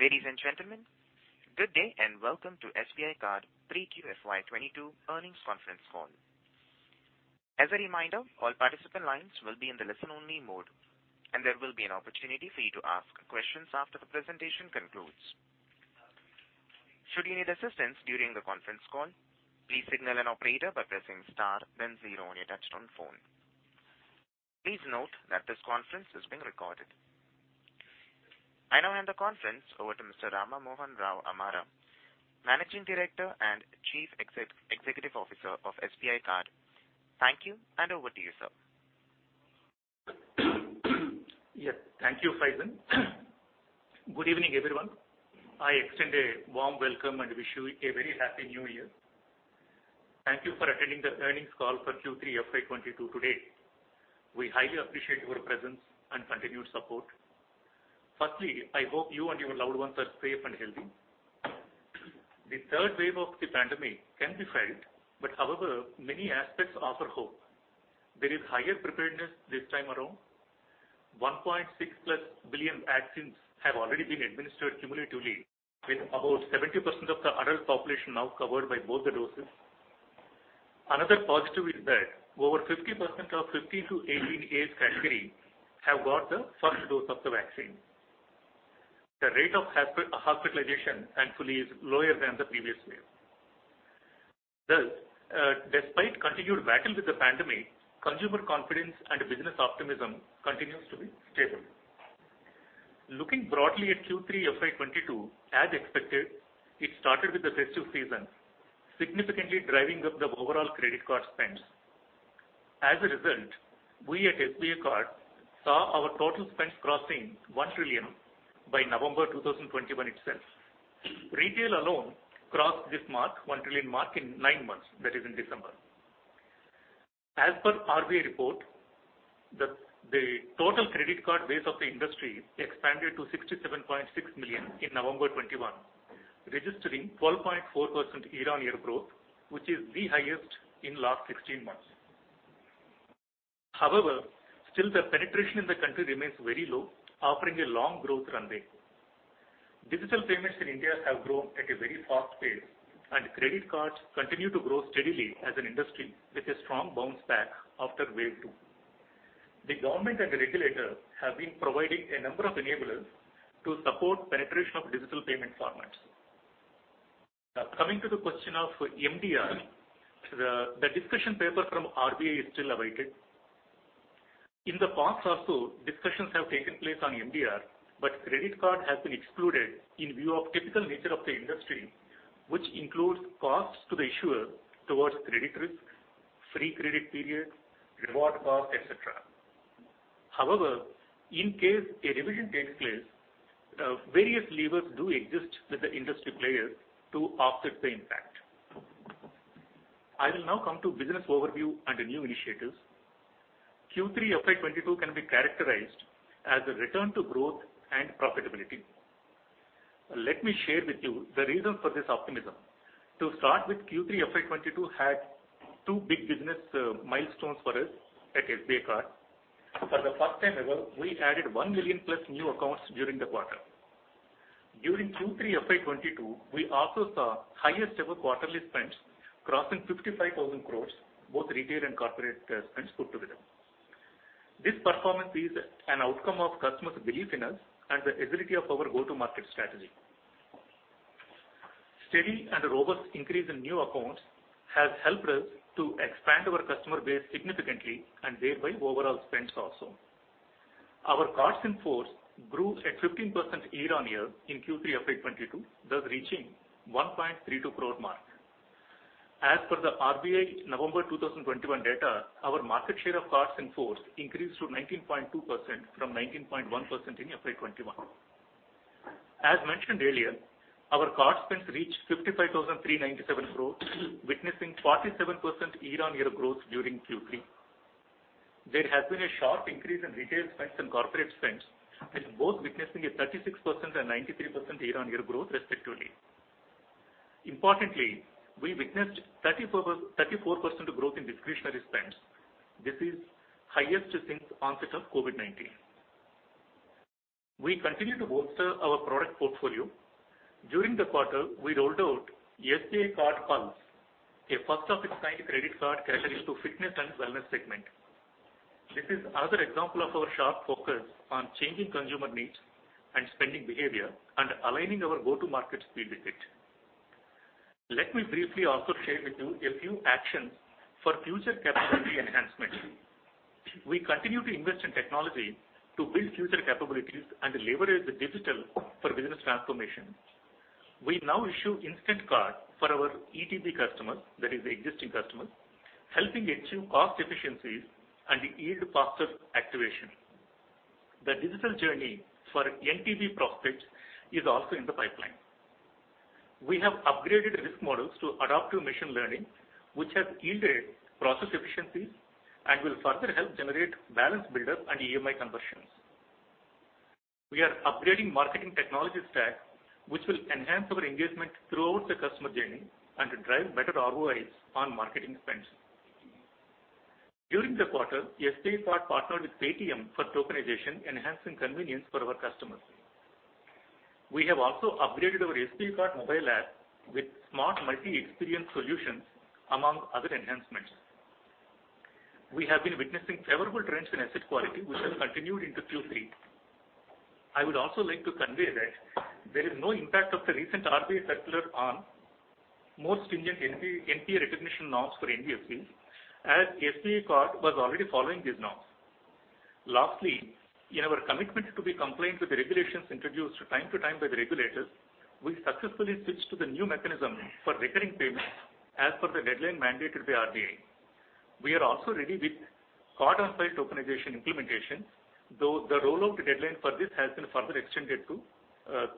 Ladies and gentlemen, good day, and welcome to SBI Card pre-Q3 FY 2022 earnings conference call. As a reminder, all participant lines will be in the listen-only mode, and there will be an opportunity for you to ask questions after the presentation concludes. Should you need assistance during the conference call, please signal an operator by pressing star then zero on your touchtone phone. Please note that this conference is being recorded. I now hand the conference over to Mr. Rama Mohan Rao Amara, Managing Director and Chief Executive Officer of SBI Card. Thank you, and over to you, sir. Yes. Thank you, Faizan. Good evening, everyone. I extend a warm welcome and wish you a very happy new year. Thank you for attending the earnings call for Q3 FY 2022 today. We highly appreciate your presence and continued support. Firstly, I hope you and your loved ones are safe and healthy. The third wave of the pandemic can be felt, but however, many aspects offer hope. There is higher preparedness this time around. 1.6+ billion vaccines have already been administered cumulatively, with about 70% of the adult population now covered by both the doses. Another positive is that over 50% of 15-18 age category have got the first dose of the vaccine. The rate of hospitalization, thankfully, is lower than the previous wave. Thus, despite continued battle with the pandemic, consumer confidence and business optimism continues to be stable. Looking broadly at Q3 FY 2022, as expected, it started with the festive season, significantly driving up the overall credit card spends. As a result, we at SBI Card saw our total spends crossing 1 trillion by November 2021 itself. Retail alone crossed this mark, 1 trillion mark, in nine months, that is, in December. As per RBI report, the total credit card base of the industry expanded to 67.6 million in November 2021, registering 12.4% year-on-year growth, which is the highest in last 16 months. However, still the penetration in the country remains very low, offering a long growth runway. Digital payments in India have grown at a very fast pace, and credit cards continue to grow steadily as an industry with a strong bounce back after wave two. The government and the regulator have been providing a number of enablers to support penetration of digital payment formats. Now, coming to the question of MDR, the discussion paper from RBI is still awaited. In the past also, discussions have taken place on MDR, but credit card has been excluded in view of typical nature of the industry, which includes costs to the issuer towards credit risk, free credit period, reward cost, et cetera. However, in case a revision takes place, various levers do exist with the industry players to offset the impact. I will now come to business overview and new initiatives. Q3 FY 2022 can be characterized as a return to growth and profitability. Let me share with you the reason for this optimism. To start with, Q3 FY 2022 had two big business milestones for us at SBI Card. For the first time ever, we added 1 million+ new accounts during the quarter. During Q3 FY 2022, we also saw highest ever quarterly spends, crossing 55,000 crore, both retail and corporate spends put together. This performance is an outcome of customers' belief in us and the agility of our go-to-market strategy. Steady and robust increase in new accounts has helped us to expand our customer base significantly, and thereby overall spends also. Our cards in force grew at 15% year on year in Q3 of FY 2022, thus reaching 1.32 crore mark. As per the RBI November 2021 data, our market share of cards in force increased to 19.2% from 19.1% in FY 2021. As mentioned earlier, our card spends reached 55,397 crore, witnessing 47% year-on-year growth during Q3. There has been a sharp increase in retail spends and corporate spends, with both witnessing a 36% and 93% year-on-year growth respectively. Importantly, we witnessed 34% growth in discretionary spends. This is highest since onset of COVID-19. We continue to bolster our product portfolio. During the quarter, we rolled out SBI Card PULSE, a first of its kind credit card catered to fitness and wellness segment. This is another example of our sharp focus on changing consumer needs and spending behavior and aligning our go-to-market speed with it. Let me briefly also share with you a few actions for future capability enhancements. We continue to invest in technology to build future capabilities and leverage the digital for business transformation. We now issue instant card for our ETB customers, that is existing customers, helping achieve cost efficiencies and yield faster activation. The digital journey for NTB prospects is also in the pipeline. We have upgraded risk models to adaptive machine learning, which has yielded process efficiencies and will further help generate balance build-up and EMI conversions. We are upgrading marketing technology stack, which will enhance our engagement throughout the customer journey and drive better ROIs on marketing spends. During the quarter, SBI Card partnered with Paytm for tokenization, enhancing convenience for our customers. We have also upgraded our SBI Card mobile app with smart multi-experience solutions, among other enhancements. We have been witnessing favorable trends in asset quality, which have continued into Q3. I would also like to convey that there is no impact of the recent RBI circular on more stringent NPA recognition norms for NBFCs, as SBI Card was already following these norms. Lastly, in our commitment to be compliant with the regulations introduced time to time by the regulators, we successfully switched to the new mechanism for recurring payments as per the deadline mandated by RBI. We are also ready with card-on-file tokenization implementation, though the roll-out deadline for this has been further extended to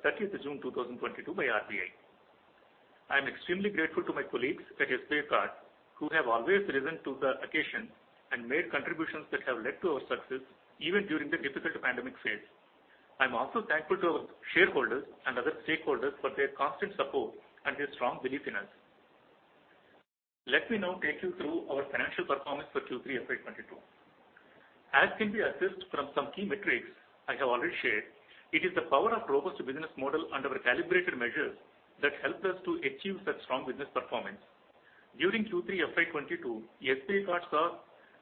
30th of June, 2022 by RBI. I am extremely grateful to my colleagues at SBI Card who have always risen to the occasion and made contributions that have led to our success even during the difficult pandemic phase. I am also thankful to our shareholders and other stakeholders for their constant support and their strong belief in us. Let me now take you through our financial performance for Q3 of FY 2022. As can be assessed from some key metrics I have already shared, it is the power of robust business model and our calibrated measures that helped us to achieve such strong business performance. During Q3 FY 2022, SBI Card saw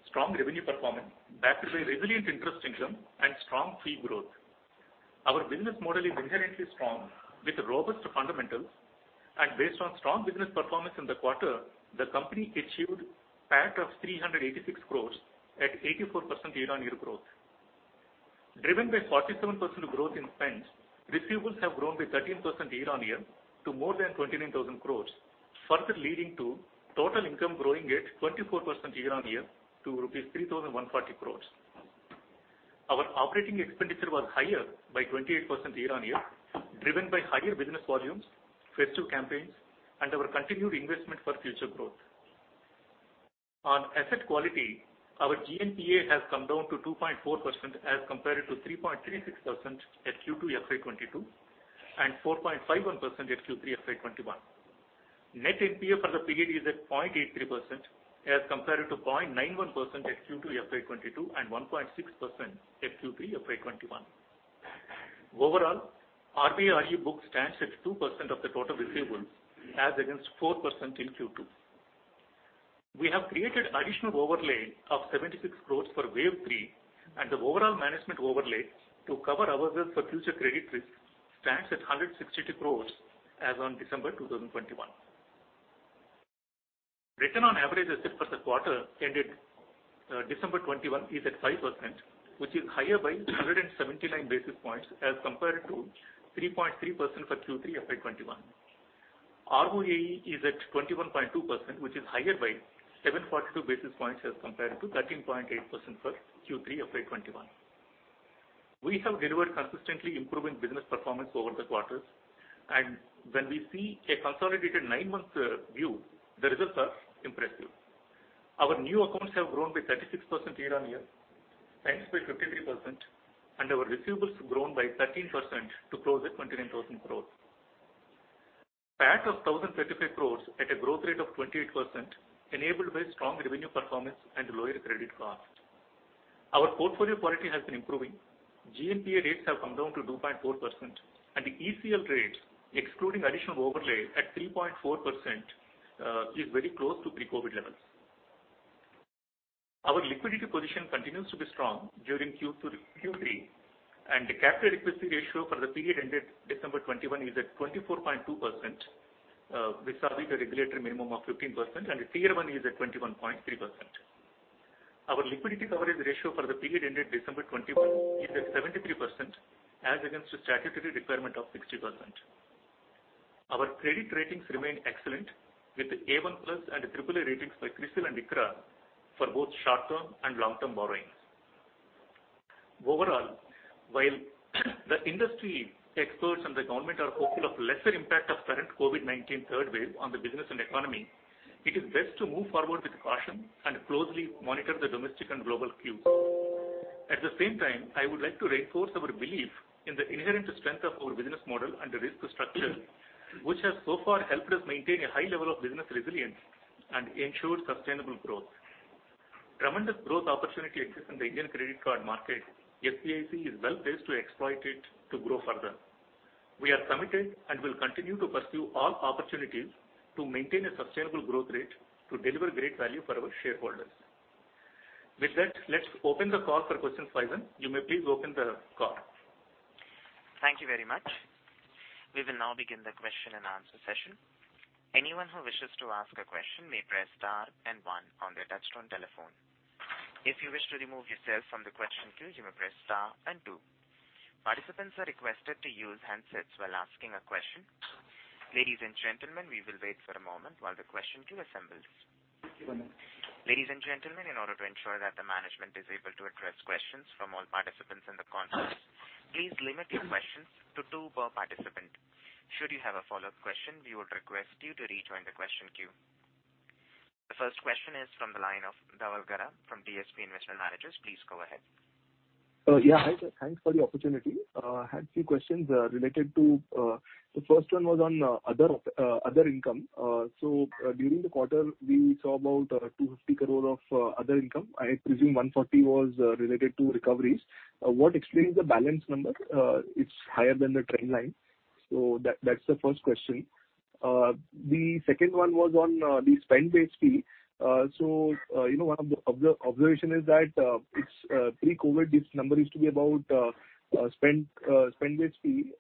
strong revenue performance backed by resilient interest income and strong fee growth. Our business model is inherently strong with robust fundamentals. Based on strong business performance in the quarter, the company achieved PAT of 386 crore at 84% year-on-year growth. Driven by 47% growth in spends, receivables have grown by 13% year-on-year to more than 29,000 crore, further leading to total income growing at 24% year-on-year to rupees 3,140 crore. Our operating expenditure was higher by 28% year-on-year, driven by higher business volumes, festive campaigns, and our continued investment for future growth. On asset quality, our GNPA has come down to 2.4% as compared to 3.36% at Q2 FY 2022 and 4.51% at Q3 FY 2021. Net NPA for the period is at 0.83% as compared to 0.91% at Q2 FY 2022 and 1.6% at Q3 FY 2021. Overall, RBI book stands at 2% of the total receivables as against 4% in Q2. We have created additional overlay of 76 crore for wave three and the overall management overlay to cover ourselves for future credit risk stands at 162 crore as on December 2021. Return on average assets for the quarter ended December 2021 is at 5%, which is higher by 179 basis points as compared to 3.3% for Q3 FY 2021. ROAE is at 21.2%, which is higher by 7.2 basis points as compared to 13.8% for Q3 FY 2021. We have delivered consistently improving business performance over the quarters and when we see a consolidated nine-month view, the results are impressive. Our new accounts have grown by 36% year-on-year, spends by 53% and our receivables grown by 13% to close at 29,000 crore. PAT of 1,035 crore at a growth rate of 28% enabled by strong revenue performance and lower credit cost. Our portfolio quality has been improving. GNPA rates have come down to 2.4% and the ECL rate excluding additional overlay at 3.4% is very close to pre-COVID levels. Our liquidity position continues to be strong during Q2-Q3 and the capital adequacy ratio for the period ended December 2021 is at 24.2%, besides the regulatory minimum of 15% and the Tier I is at 21.3%. Our liquidity coverage ratio for the period ended December 2021 is at 73% as against the statutory requirement of 60%. Our credit ratings remain excellent with the A1+ and AAA ratings by CRISIL and ICRA for both short-term and long-term borrowings. Overall, while the industry experts and the government are hopeful of lesser impact of current COVID-19 third wave on the business and economy, it is best to move forward with caution and closely monitor the domestic and global cues. At the same time, I would like to reinforce our belief in the inherent strength of our business model and risk structure, which has so far helped us maintain a high level of business resilience and ensure sustainable growth. Tremendous growth opportunity exists in the Indian credit card market. SBI Card is well-placed to exploit it to grow further. We are committed and will continue to pursue all opportunities to maintain a sustainable growth rate to deliver great value for our shareholders. With that, let's open the call for questions. Faizan, you may please open the call. Thank you very much. We will now begin the question and answer session. Anyone who wishes to ask a question may press star and one on their touchtone telephone. If you wish to remove yourself from the question queue, you may press star and two. Participants are requested to use handsets while asking a question. Ladies and gentlemen, we will wait for a moment while the question queue assembles. One moment. Ladies and gentlemen, in order to ensure that the management is able to address questions from all participants in the conference, please limit your questions to two per participant. Should you have a follow-up question, we would request you to rejoin the question queue. The first question is from the line of Dhaval Gada from DSP Investment Managers. Please go ahead. Yeah. Hi, sir. Thanks for the opportunity. I had a few questions related to. The first one was on other income. So, during the quarter, we saw about 250 crore of other income. I presume 140 crore was related to recoveries. What explains the balance number? It's higher than the trend line. That's the first question. The second one was on the spend-based fee. So, you know, one of the observations is that it's pre-COVID, this number used to be about spend-based fee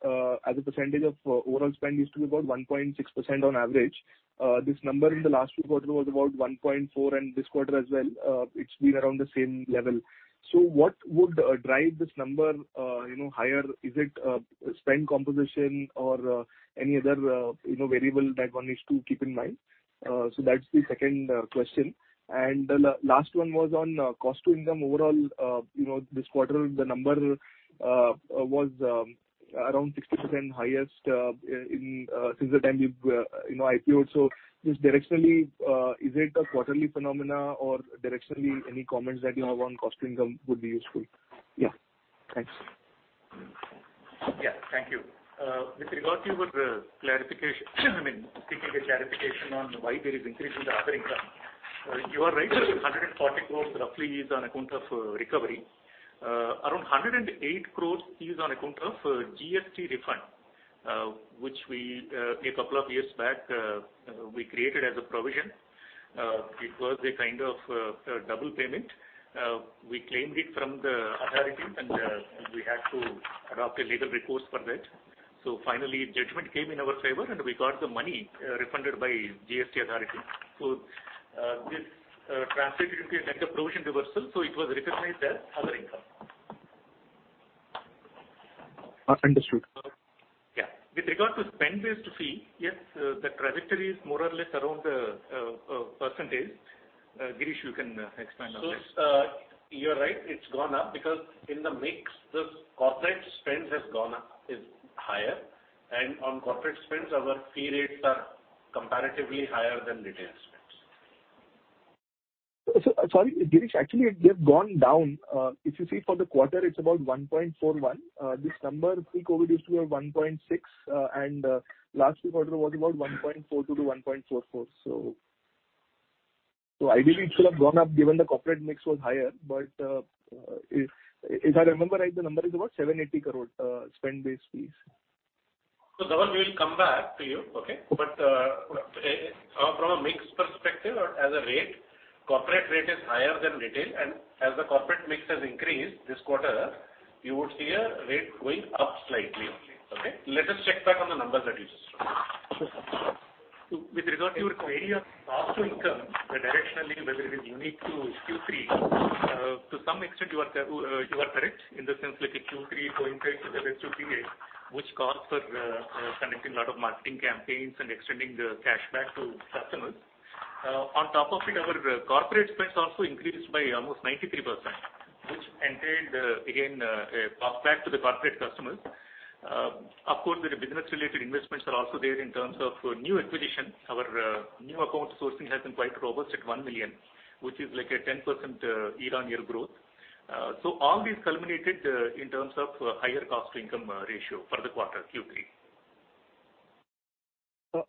as a percentage of overall spend used to be about 1.6% on average. This number in the last two quarters was about 1.4%, and this quarter as well, it's been around the same level. What would drive this number you know higher? Is it spend composition or any other you know variable that one needs to keep in mind? That's the second question. The last one was on cost to income. Overall you know this quarter the number was around 60% highest in since the time we've you know IPOed. Just directionally is it a quarterly phenomena or directionally any comments that you have on cost to income would be useful. Yeah, thanks. Yeah, thank you. With regards to your clarification, I mean, seeking a clarification on why there is increase in the other income. You are right. 140 crore roughly is on account of recovery. Around 108 crore is on account of GST refund, which we a couple of years back created as a provision. It was a kind of double payment. We claimed it from the authority and we had to adopt a legal recourse for that. Finally judgment came in our favor, and we got the money refunded by GST authority. This translated into a kind of provision reversal, so it was recognized as other income. Understood. Yeah. With regard to spend-based fee, yes, the trajectory is more or less around the percentage. Girish, you can expand on this. You're right, it's gone up because in the mix, the corporate spend has gone up, is higher. On corporate spends, our fee rates are comparatively higher than retail spends. Sorry, Girish, actually it has gone down. If you see for the quarter, it's about 1.41%. This number pre-COVID used to be 1.6%. Last quarter was about 1.42%-1.44%. Ideally it should have gone up given the corporate mix was higher. If I remember right, the number is about 780 crore, spend-based fees. Dhaval, we will come back to you. Okay? From a mix perspective or as a rate, corporate rate is higher than retail. As the corporate mix has increased this quarter, you would see a rate going up slightly. Okay? Let us check back on the numbers that you just told. Okay. With regard to your query on cost to income, directionally whether it is unique to Q3, to some extent you are correct in the sense like Q3 coincides with H2 FY 2022, which calls for conducting a lot of marketing campaigns and extending the cashback to customers. On top of it, our corporate spends also increased by almost 93%, which entailed again a pass back to the corporate customers. Of course, the business related investments are also there in terms of new acquisition. Our new account sourcing has been quite robust at 1 million, which is like a 10% year-on-year growth. All these culminated in terms of higher cost to income ratio for the quarter Q3.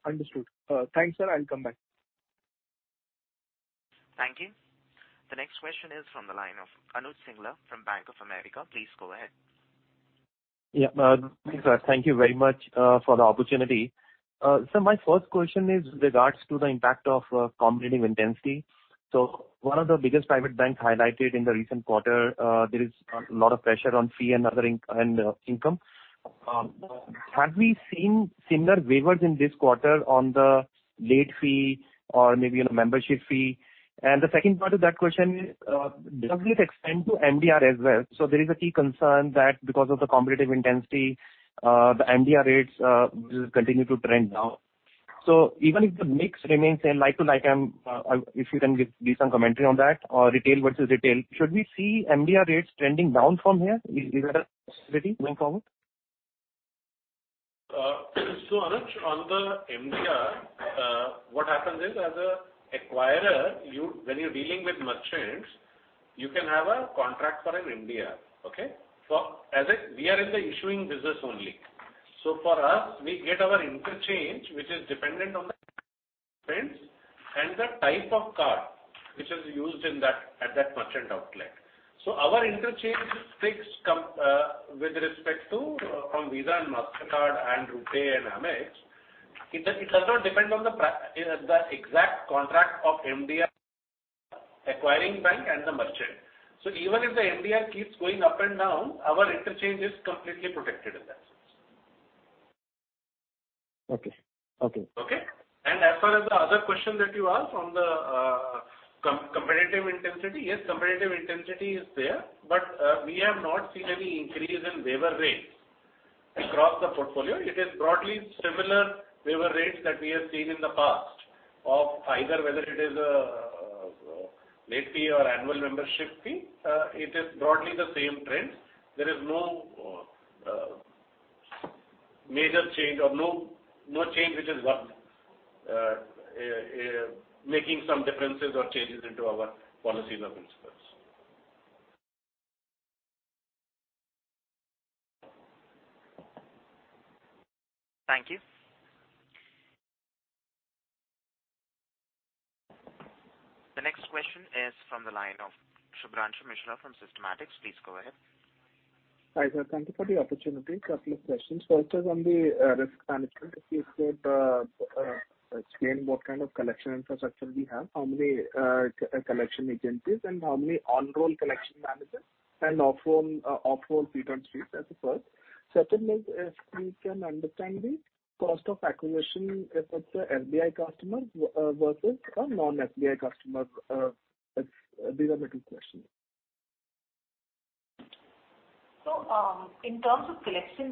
Understood. Thanks, sir. I'll come back. Thank you. The next question is from the line of Anuj Singla from Bank of America. Please go ahead. Yeah. Thanks, sir. Thank you very much for the opportunity. My first question is regarding the impact of competitive intensity. One of the biggest private banks highlighted in the recent quarter, there is a lot of pressure on fee and other income. Have we seen similar waivers in this quarter on the late fee or maybe on a membership fee? The second part of that question is, does it extend to MDR as well? There is a key concern that because of the competitive intensity, the MDR rates will continue to trend down. Even if the mix remains same like to like, if you can give some commentary on that or retail versus retail. Should we see MDR rates trending down from here going forward? Anuj, on the MDR, what happens is, as an acquirer, when you're dealing with merchants, you can have a contract for an MDR. Okay? We are in the issuing business only. For us, we get our interchange, which is dependent on the spends and the type of card which is used in that, at that merchant outlet. Our interchange is fixed, come from Visa and Mastercard and RuPay and Amex with respect to. It does not depend on the exact contract of MDR acquiring bank and the merchant. Even if the MDR keeps going up and down, our interchange is completely protected in that sense. Okay. Okay. Okay? As far as the other question that you asked on the competitive intensity, yes, competitive intensity is there, but we have not seen any increase in waiver rates across the portfolio. It is broadly similar waiver rates that we have seen in the past of either whether it is late fee or annual membership fee. It is broadly the same trends. There is no major change or no change which is worth making some differences or changes into our policies or principles. Thank you. The next question is from the line of Shubhranshu Mishra from Systematix. Please go ahead. Hi, sir. Thank you for the opportunity. A couple of questions. First is on the risk management. If you could explain what kind of collection infrastructure we have, how many collection agencies and how many on-roll collection managers and off-roll B2Bs as a first. Second is if we can understand the cost of acquisition, let's say, SBI customer versus a non-SBI customer. These are the two questions. In terms of collection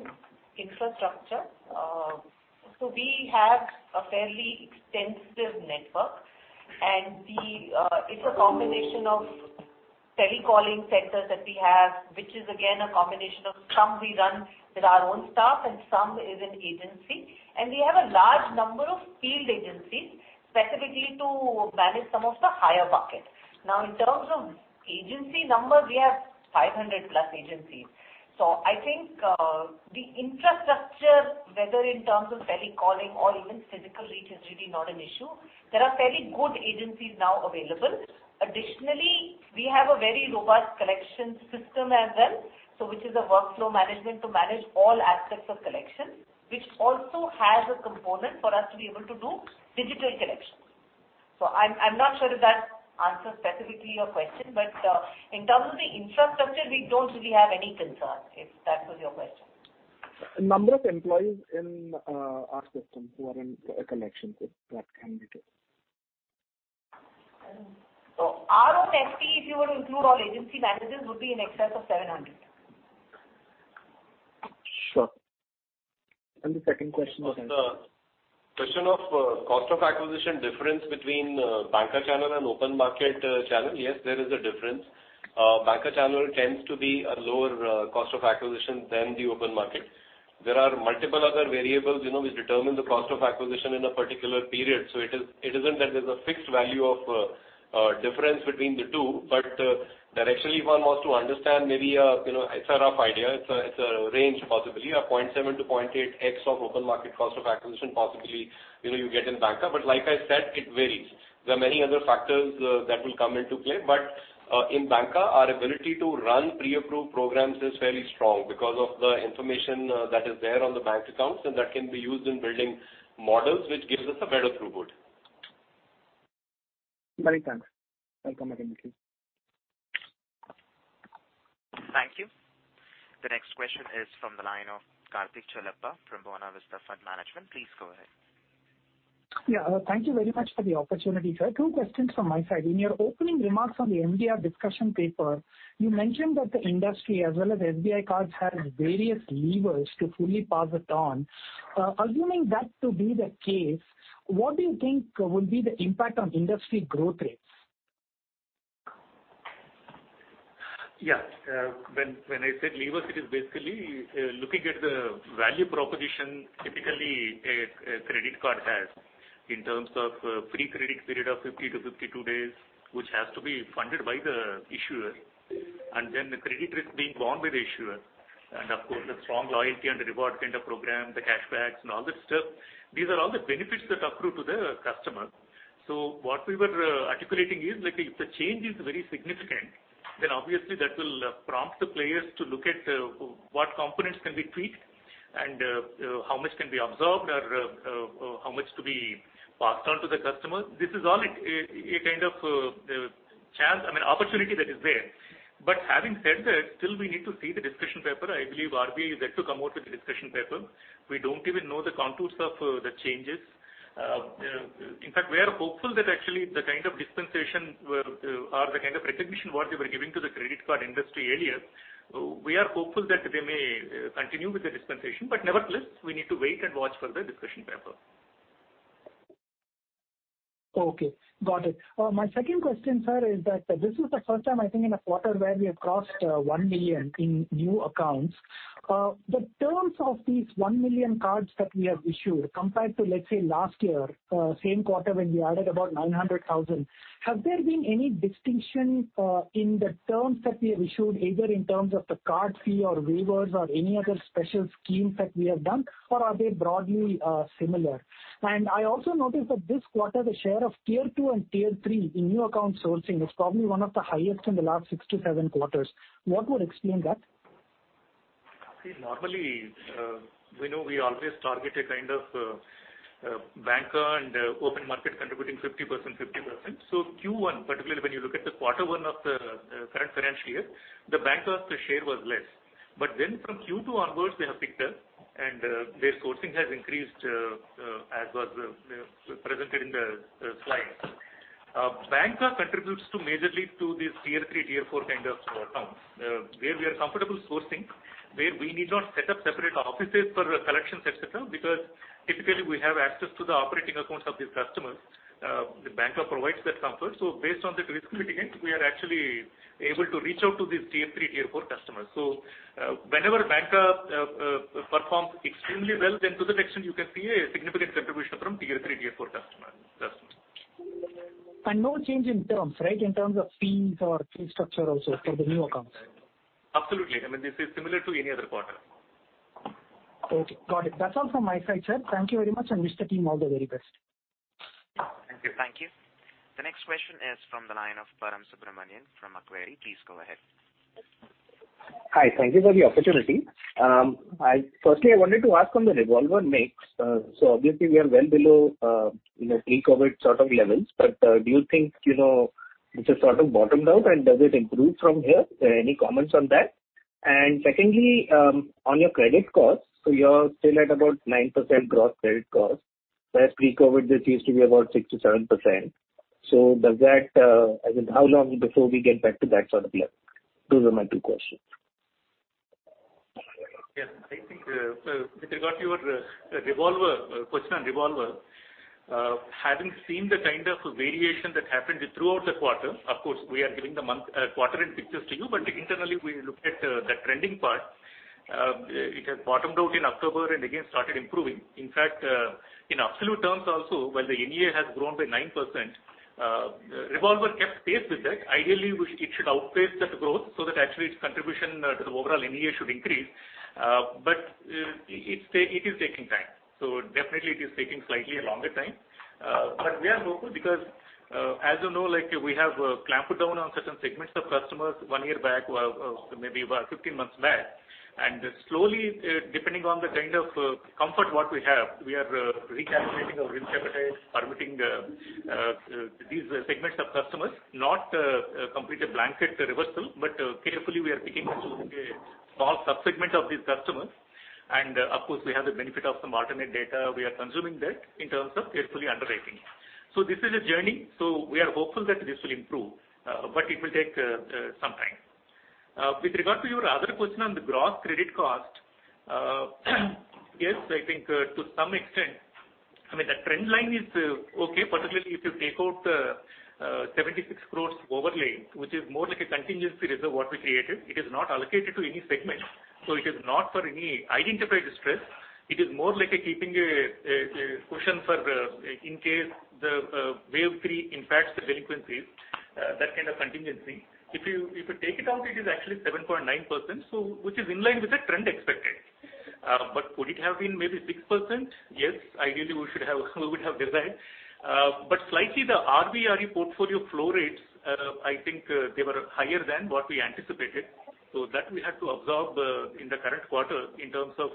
infrastructure, we have a fairly extensive network, and it's a combination of telecalling centers that we have, which is again a combination of some we run with our own staff and some is an agency. We have a large number of field agencies specifically to manage some of the higher bucket. Now, in terms of agency numbers, we have 500+ agencies. I think the infrastructure, whether in terms of telecalling or even physical reach is really not an issue. There are very good agencies now available. Additionally, we have a very robust collection system as well, so which is a workflow management to manage all aspects of collection, which also has a component for us to be able to do digital collections. I'm not sure if that answers specifically your question, but in terms of the infrastructure, we don't really have any concerns, if that was your question. Number of employees in a system who are in a collection group, that can be too. Our own FT, if you were to include all agency managers, would be in excess of 700. Sure. The second question was? On the question of cost of acquisition difference between banker channel and open market channel, yes, there is a difference. Banker channel tends to be a lower cost of acquisition than the open market. There are multiple other variables, you know, which determine the cost of acquisition in a particular period. It isn't that there's a fixed value of difference between the two, but directionally, if one was to understand maybe, you know, it's a rough idea. It's a range, possibly 0.7x-0.8x of open market cost of acquisition, possibly, you know, you get in banker. Like I said, it varies. There are many other factors that will come into play. In banking, our ability to run pre-approved programs is fairly strong because of the information that is there on the bank accounts, and that can be used in building models, which gives us a better throughput. Many thanks. I'll come back in the queue. Thank you. The next question is from the line of Karthik Chellappa from Buena Vista Fund Management. Please go ahead. Yeah. Thank you very much for the opportunity, sir. Two questions from my side. In your opening remarks on the MDR discussion paper, you mentioned that the industry as well as SBI Cards have various levers to fully pass it on. Assuming that to be the case, what do you think will be the impact on industry growth rates? Yeah. When I said levers, it is basically looking at the value proposition typically a credit card has in terms of free credit period of 50 days-52 days, which has to be funded by the issuer and then the credit risk being borne by the issuer and of course, the strong loyalty and reward kind of program, the cash backs and all that stuff, these are all the benefits that accrue to the customer. What we were articulating is, like if the change is very significant, then obviously that will prompt the players to look at what components can be tweaked and how much can be absorbed or how much to be passed on to the customer. This is all a kind of chance, I mean, opportunity that is there. Having said that, still we need to see the discussion paper. I believe RBI is yet to come out with the discussion paper. We don't even know the contours of the changes. In fact, we are hopeful that actually the kind of dispensation or the kind of recognition what they were giving to the credit card industry earlier, we are hopeful that they may continue with the dispensation, but nevertheless, we need to wait and watch for the discussion paper. Okay. Got it. My second question, sir, is that this is the first time I think in a quarter where we have crossed 1 million in new accounts. The terms of these 1 million cards that we have issued compared to, let's say, last year same quarter when we added about 900,000, have there been any distinction in the terms that we have issued, either in terms of the card fee or waivers or any other special schemes that we have done, or are they broadly similar? I also noticed that this quarter, the share of tier two and tier three in new account sourcing is probably one of the highest in the last six quarters-seven quarters. What would explain that? See, normally, we know we always target a kind of banker and open market contributing 50%, 50%. Q1, particularly when you look at the quarter one of the current financial year, the banker's share was less. From Q2 onwards, they have picked up and their sourcing has increased as was presented in the slides. Banker contributes majorly to this Tier 3, Tier 4 kind of accounts where we are comfortable sourcing, where we need not set up separate offices for collections, et cetera, because typically we have access to the operating accounts of these customers. The banker provides that comfort. Based on that risk mitigant, we are actually able to reach out to these Tier 3, Tier 4 customers. Whenever banking performs extremely well, then to that extent you can see a significant contribution from Tier 3, Tier 4 customers. No change in terms, right? In terms of fees or fee structure also for the new accounts. Absolutely. I mean, this is similar to any other quarter. Okay, got it. That's all from my side, sir. Thank you very much, and wish the team all the very best. Thank you. Thank you. The next question is from the line of Param Subramanian from Macquarie. Please go ahead. Hi. Thank you for the opportunity. Firstly, I wanted to ask on the revolver mix. So obviously we are well below, you know, pre-COVID sort of levels. Do you think, you know, this is sort of bottomed out, and does it improve from here? Any comments on that? Secondly, on your credit costs, you're still at about 9% gross credit cost, whereas pre-COVID this used to be about 6%-7%. Does that, I mean, how long before we get back to that sort of level? Those are my two questions. Yes. I think with regard to your revolver question on revolver, having seen the kind of variation that happened throughout the quarter, of course we are giving the monthly quarterly pictures to you, but internally we looked at the trending part. It has bottomed out in October and again started improving. In fact, in absolute terms also, while the NEA has grown by 9%, revolver kept pace with that. Ideally, it should outpace that growth so that actually its contribution to the overall NEA should increase. It is taking time. Definitely it is taking slightly a longer time. We are hopeful because, as you know, like we have clamped down on certain segments of customers one year back or maybe about 15 months back. Slowly, depending on the kind of comfort that we have, we are recalculating or ring-fencing, permitting these segments of customers. Not a complete blanket reversal, but carefully we are picking and choosing a small subsegment of these customers. Of course, we have the benefit of some alternate data. We are consuming that in terms of carefully underwriting. This is a journey, we are hopeful that this will improve, but it will take some time. With regard to your other question on the gross credit cost, yes, I think to some extent. I mean, the trend line is okay, particularly if you take out the 76 crore overlay, which is more like a contingency reserve that we created. It is not allocated to any segment, so it is not for any identified stress. It is more like keeping a cushion for, in case the wave three impacts the delinquencies, that kind of contingency. If you take it out, it is actually 7.9%, which is in line with the trend expected. Could it have been maybe 6%? Yes. Ideally, we would have desired. Slightly, the RBRE portfolio flow rates, I think, they were higher than what we anticipated, so that we had to absorb in the current quarter in terms of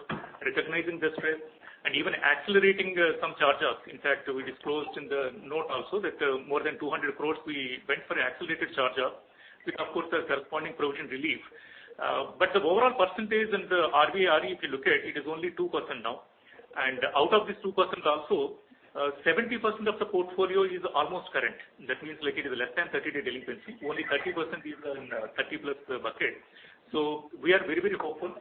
recognizing the stress and even accelerating some charge-offs. In fact, we disclosed in the note also that more than 200 crore we went for accelerated charge-off with, of course, the corresponding provision relief. The overall percentage in the RBRE, if you look at, it is only 2% now. Out of this 2% also, 70% of the portfolio is almost current. That means like it is less than 30-day delinquency. Only 30% is in 30-plus bucket. We are very hopeful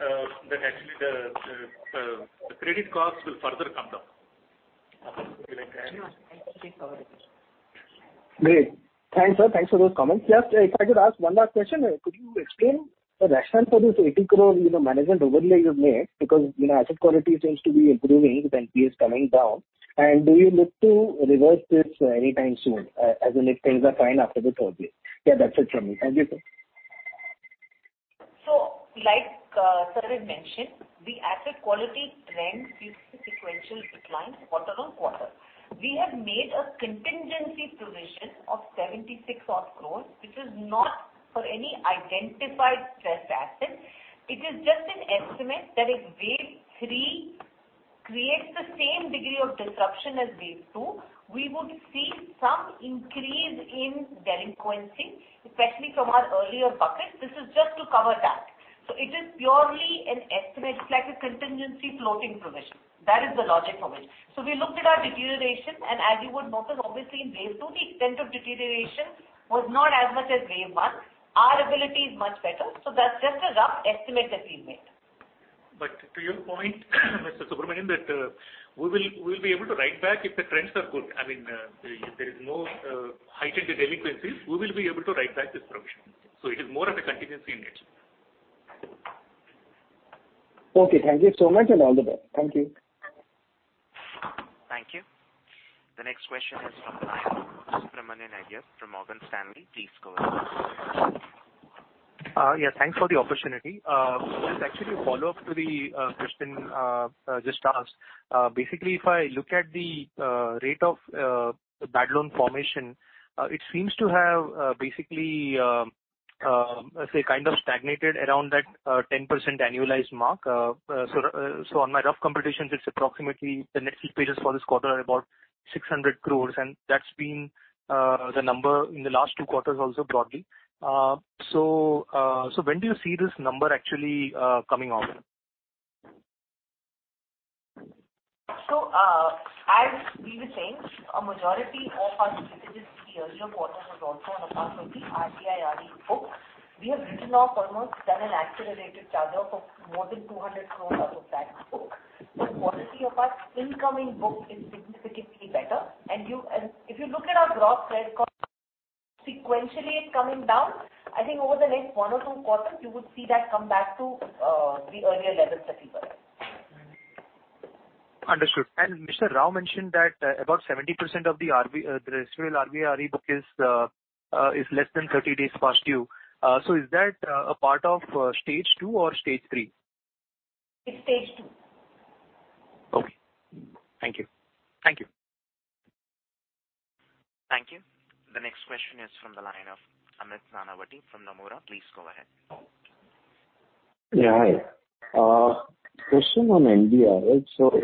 that actually the credit cost will further come down. Anju, would you like to add? No, I think she's covered it. Great. Thanks, sir. Thanks for those comments. Just if I could ask one last question. Could you explain the rationale for this 80 crore, you know, management overlay you've made? Because, you know, asset quality seems to be improving with NPAs coming down. Do you look to reverse this anytime soon, as in if things are fine after the third wave? Yeah, that's it from me. Thank you, sir. Like, sir had mentioned, the asset quality trend is a sequential decline quarter-on-quarter. We have made a contingency provision of 76 crore, which is not for any identified stress assets. It is just an estimate that if wave three creates the same degree of disruption as wave two, we would see some increase in delinquency, especially from our earlier buckets. This is just to cover that. It is purely an estimate, it's like a contingency floating provision. That is the logic of it. We looked at our deterioration, and as you would notice, obviously in wave two the extent of deterioration was not as much as wave one. Our ability is much better, so that's just a rough estimate that we made. To your point, Mr. Subramanian Iyer, that we will be able to write back if the trends are good. I mean, if there is no heightened delinquencies, we will be able to write back this provision. It is more of a contingency in nature. Okay. Thank you so much and all the best. Thank you. Thank you. The next question is from the line of Subramanian Iyer from Morgan Stanley. Please go ahead. Yeah. Thanks for the opportunity. This is actually a follow-up to the question just asked. Basically if I look at the rate of bad loan formation, it seems to have basically say kind of stagnated around that 10% annualized mark. On my rough computations it's approximately the net new provisions for this quarter are about 600 crore and that's been the number in the last two quarters also broadly. When do you see this number actually coming off? As we were saying, a majority of our stage three in the three earlier quarters was also on account of the RBRE book. We have almost done an accelerated charge-off of more than 200 crore out of that book. The quality of our incoming book is significantly better. If you look at our gross credit cost sequentially coming down, I think over the next one or two quarters you would see that come back to the earlier levels that we were in. Understood. Mr. Rao mentioned that about 70% of the residual RBRE book is less than 30 days past due. So is that a part of stage two or stage three? It's stage two. Okay. Thank you. Thank you. Thank you. The next question is from the line of Amit Nanavati from Nomura. Please go ahead. Yeah, hi. Question on MDR.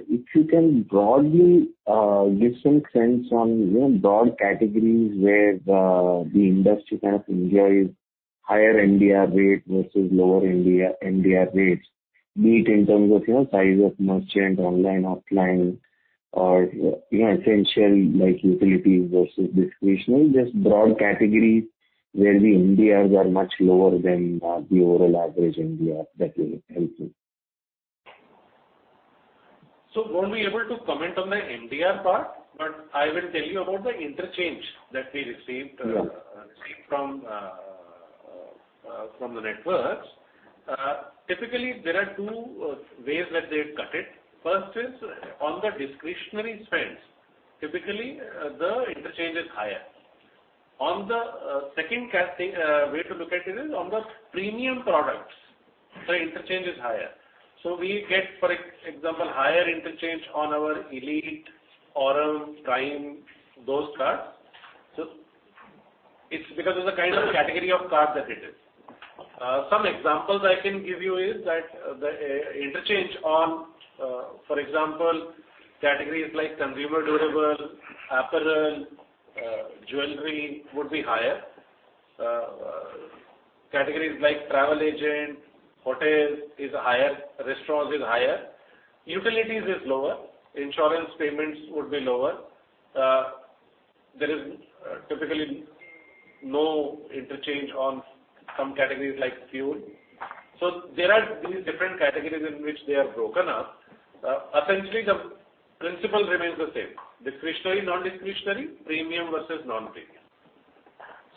If you can broadly give some sense on, you know, broad categories where the industry kind of enjoys higher MDR rate versus lower MDR rates, be it in terms of, you know, size of merchant, online, offline or, you know, essential like utilities versus discretionary. Just broad categories where the MDRs are much lower than the overall average MDR. That will help me. I won't be able to comment on the MDR part, but I will tell you about the interchange that we received. Yeah. Received from the networks. Typically, there are two ways that they cut it. First is on the discretionary spends, typically, the interchange is higher. On the second way to look at it is on the premium products, the interchange is higher. We get, for example, higher interchange on our Elite, AURUM, Prime, those cards. It's because of the kind of category of card that it is. Some examples I can give you is that the interchange on, for example, categories like consumer durable, apparel, jewelry would be higher. Categories like travel agent, hotel is higher, restaurants is higher. Utilities is lower. Insurance payments would be lower. There is typically no interchange on some categories like fuel. There are these different categories in which they are broken up. Essentially, the principle remains the same. Discretionary, non-discretionary, premium versus non-premium.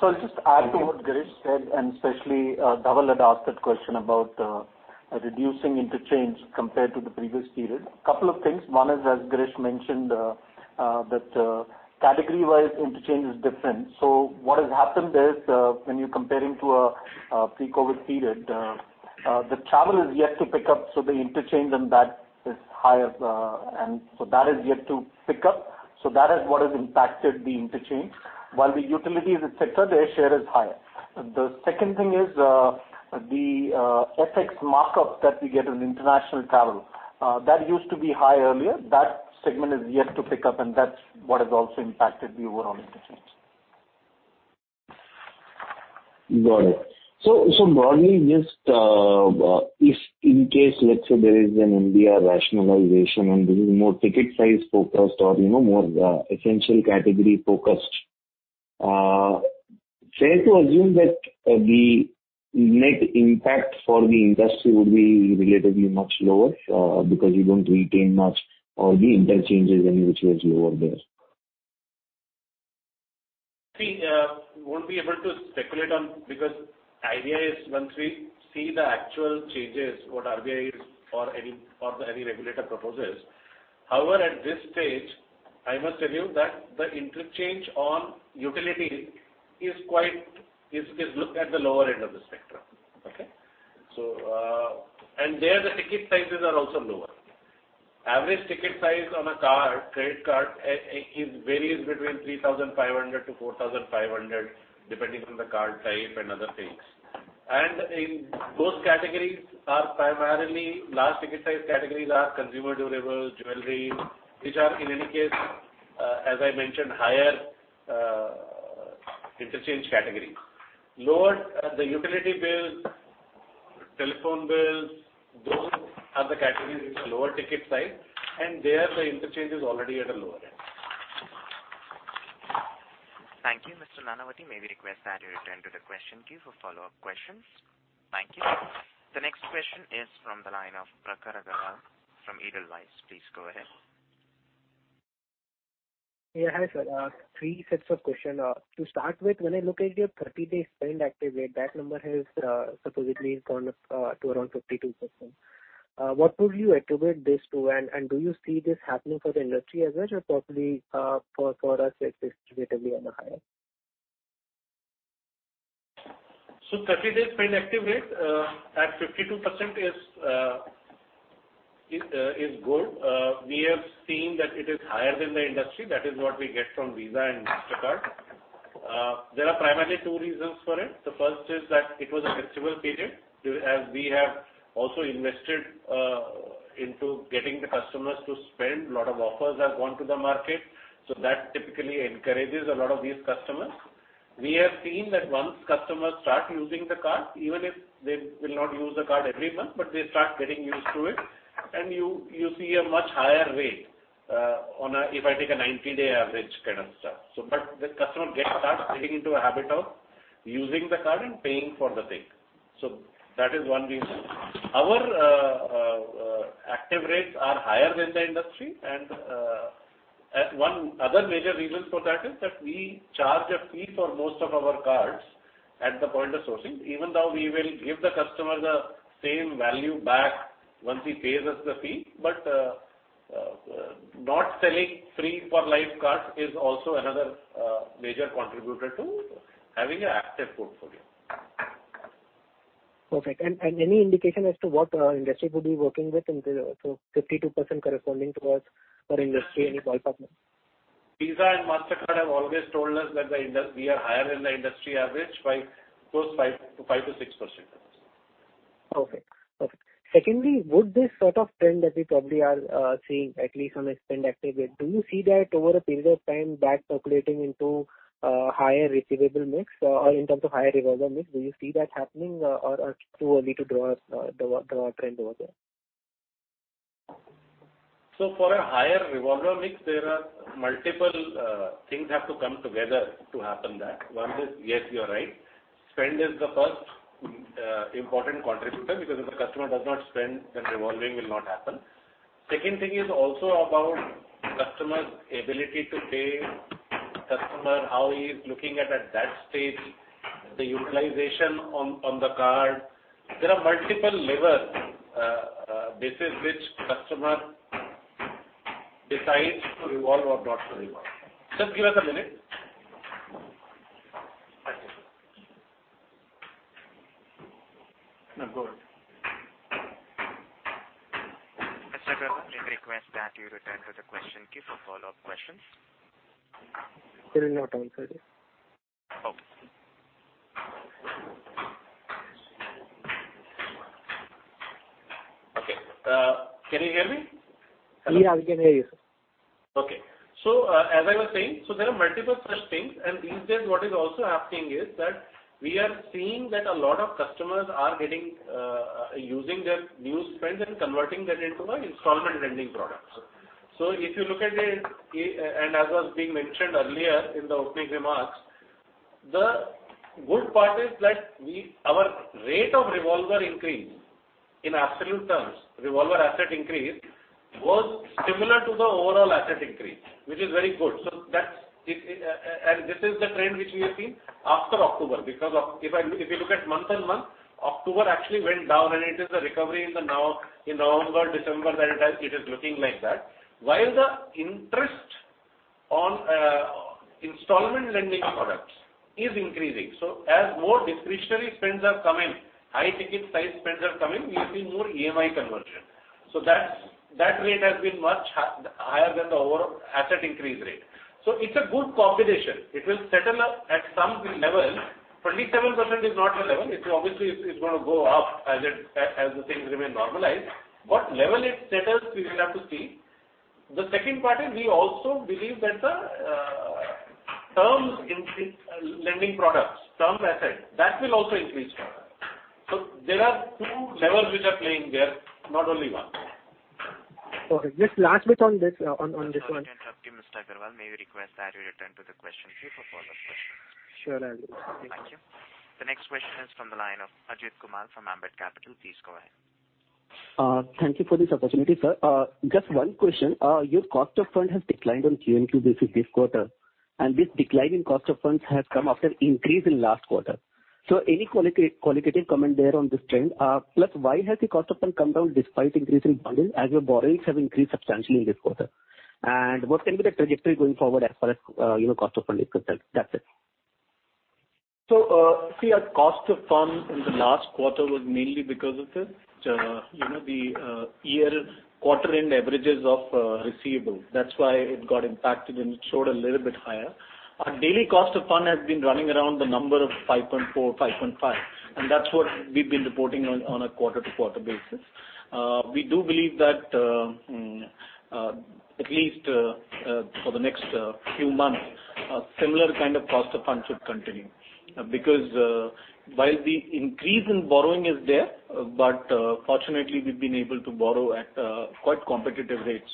I'll just add to what Girish said, and especially, Dhaval had asked that question about reducing interchange compared to the previous period. A couple of things. One is, as Girish mentioned, that category-wise interchange is different. What has happened is, when you're comparing to a pre-COVID period, the travel is yet to pick up, so the interchange on that is higher. That is yet to pick up. That is what has impacted the interchange. While the utilities et cetera, their share is higher. The second thing is, the FX markup that we get on international travel, that used to be high earlier. That segment is yet to pick up, and that's what has also impacted the overall interchange. Got it. Broadly, just, if in case, let's say there is an MDR rationalization and this is more ticket size focused or, you know, more, essential category focused, fair to assume that, the net impact for the industry would be relatively much lower, because you don't retain much of the interchanges anyway, which was lower there. We won't be able to speculate because idea is once we see the actual changes, what RBI or any regulator proposes. However, at this stage, I must tell you that the interchange on utility is quite looked at the lower end of the spectrum. Okay? There, the ticket sizes are also lower. Average ticket size on a credit card varies between 3,500-4,500, depending on the card type and other things. In those categories are primarily large ticket size categories are consumer durables, jewelry, which are in any case, as I mentioned, higher interchange categories. Lower, the utility bills, telephone bills, those are the categories with lower ticket size, and there the interchange is already at a lower end. Thank you. Mr. Nanavati, may we request that you return to the question queue for follow-up questions. Thank you. The next question is from the line of Pranav Agarwal from Edelweiss. Please go ahead. Yeah, hi, sir. Three sets of question. To start with, when I look at your 30-day spend active rate, that number has supposedly gone up to around 52%. What would you attribute this to? Do you see this happening for the industry as well, or probably for us it is relatively on the higher? 30-day spend active rate at 52% is good. We are seeing that it is higher than the industry. That is what we get from Visa and Mastercard. There are primarily two reasons for it. The first is that it was a festival period. We have also invested into getting the customers to spend. Lot of offers have gone to the market, so that typically encourages a lot of these customers. We have seen that once customers start using the card, even if they will not use the card every month, but they start getting used to it, and you see a much higher rate on a 90-day average kind of stuff. But the customers start getting into a habit of using the card and paying for the thing. That is one reason. Our active rates are higher than the industry and that one other major reason for that is that we charge a fee for most of our cards at the point of sourcing, even though we will give the customer the same value back once he pays us the fee. Not selling free for life cards is also another major contributor to having an active portfolio. Perfect. Any indication as to what industry could be working with in terms of 52% corresponding towards per industry, any ballpark number? Visa and Mastercard have always told us that we are higher in the industry average by close to 5%-6%. Okay. Secondly, would this sort of trend that we probably are seeing at least on a spend active rate, do you see that over a period of time that percolating into higher receivable mix or in terms of higher revolver mix? Do you see that happening or too early to draw a trend over there? For a higher revolver mix, there are multiple things that have to come together to happen. One is, yes, you are right. Spend is the first important contributor because if the customer does not spend, then revolving will not happen. Second thing is also about customer's ability to pay, customer, how he is looking at that stage, the utilization on the card. There are multiple levels basis which customer decides to revolve or not to revolve. Just give us a minute. Thank you, sir. No, go ahead. Mr. Agarwal, we request that you return to the question queue for follow-up questions. He will not answer this. Okay. Okay. Can you hear me? Hello? Yeah, we can hear you, sir. Okay, as I was saying, there are multiple such things. Instead, what is also happening is that we are seeing that a lot of customers are getting, using their new spends and converting that into the installment lending products. If you look at it, and as was being mentioned earlier in the opening remarks, the good part is that our rate of revolver increase in absolute terms, revolver asset increase, was similar to the overall asset increase, which is very good. That's. And this is the trend which we have seen after October. Because if I, if you look at month-on-month, October actually went down, and it is the recovery in November, December that it has, it is looking like that. While the interest on installment lending products is increasing, as more discretionary spends are coming, high ticket size spends are coming, we have seen more EMI conversion. That rate has been much higher than the overall asset increase rate. It's a good combination. It will settle at some level. 27% is not a level. It obviously is gonna go up as the things remain normalized. What level it settles, we will have to see. The second part is we also believe that the terms in these lending products, term assets, that will also increase further. There are two levels which are playing there, not only one. Okay. Just last bit on this, on this one. Sorry to interrupt you, Mr. Agarwal. May we request that you return to the question queue for follow-up questions? Sure, I'll do. Thank you. Thank you. The next question is from the line of Ajit Kumar from Ambit Capital. Please go ahead. Thank you for this opportunity, sir. Just one question. Your cost of fund has declined on QoQ basis this quarter, and this decline in cost of funds has come after increase in last quarter. Any qualitative comment there on this trend? Plus why has the cost of fund come down despite increase in borrowing, as your borrowings have increased substantially in this quarter? What can be the trajectory going forward as far as, you know, cost of funding is concerned? That's it. See our cost of fund in the last quarter was mainly because of the, you know, the year quarter end averages of receivable. That's why it got impacted and it showed a little bit higher. Our daily cost of fund has been running around 5.4%-5.5%, and that's what we've been reporting on a quarter-to-quarter basis. We do believe that at least for the next few months, a similar kind of cost of fund should continue. While the increase in borrowing is there, but fortunately, we've been able to borrow at quite competitive rates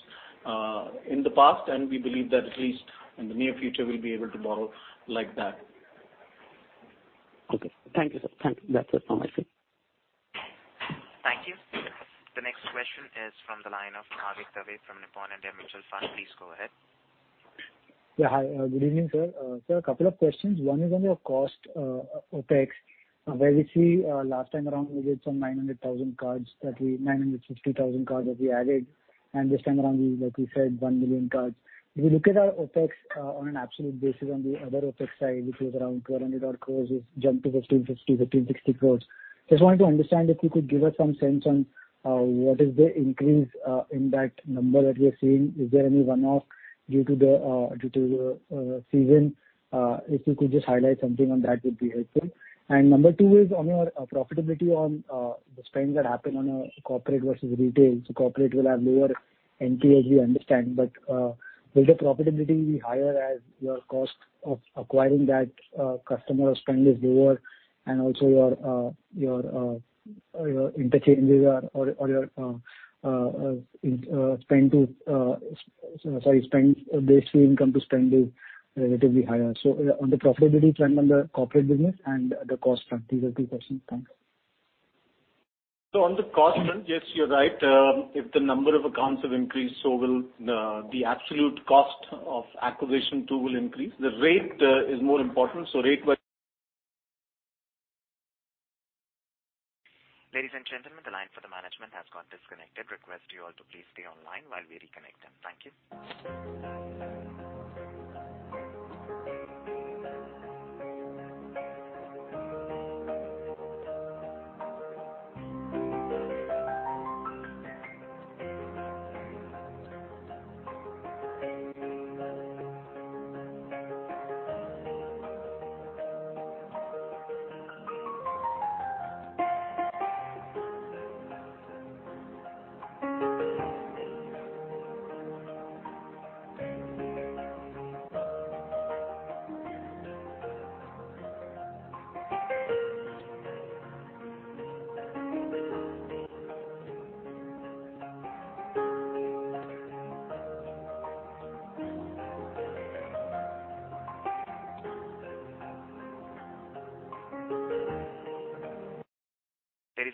in the past, and we believe that at least in the near future, we'll be able to borrow like that. Okay. Thank you, sir. Thank you. That's it from my side. Thank you. The next question is from the line of Bhavik Dave from Nippon India Mutual Fund. Please go ahead. Yeah. Hi. Good evening, sir. Sir, a couple of questions. One is on your cost, OpEx, where we see last time around we did some 960,000 cards that we added. This time around, like you said, 1 million cards. If you look at our OpEx on an absolute basis on the other OpEx side, which was around 1,200 crore, which jumped to 1,560 crore. Just wanted to understand if you could give us some sense on what is the increase in that number that we are seeing. Is there any runoff due to the season? If you could just highlight something on that would be helpful. Number two is on your profitability on the spends that happen on a corporate versus retail. Corporate will have lower NIM, we understand, but will the profitability be higher as your cost of acquiring that customer spend is lower and also your interchanges or your spend-based fee income to spend is relatively higher. On the profitability trend on the corporate business and the cost front, these are two questions. Thanks. On the cost front, yes, you're right. If the number of accounts have increased, so will the absolute cost of acquisition too increase. The rate is more important, so rate was Ladies and gentlemen, the line for the management has got disconnected. Request you all to please stay online while we reconnect them. Thank you.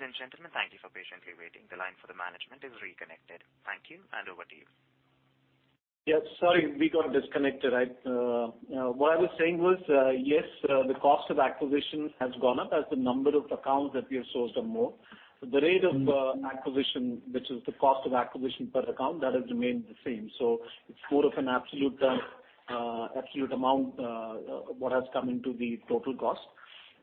Ladies and gentlemen, thank you for patiently waiting. The line for the management is reconnected. Thank you, and over to you. Yes. Sorry, we got disconnected. What I was saying was, yes, the cost of acquisition has gone up as the number of accounts that we have sourced are more. The rate of acquisition, which is the cost of acquisition per account, that has remained the same. It's more of an absolute amount what has come into the total cost.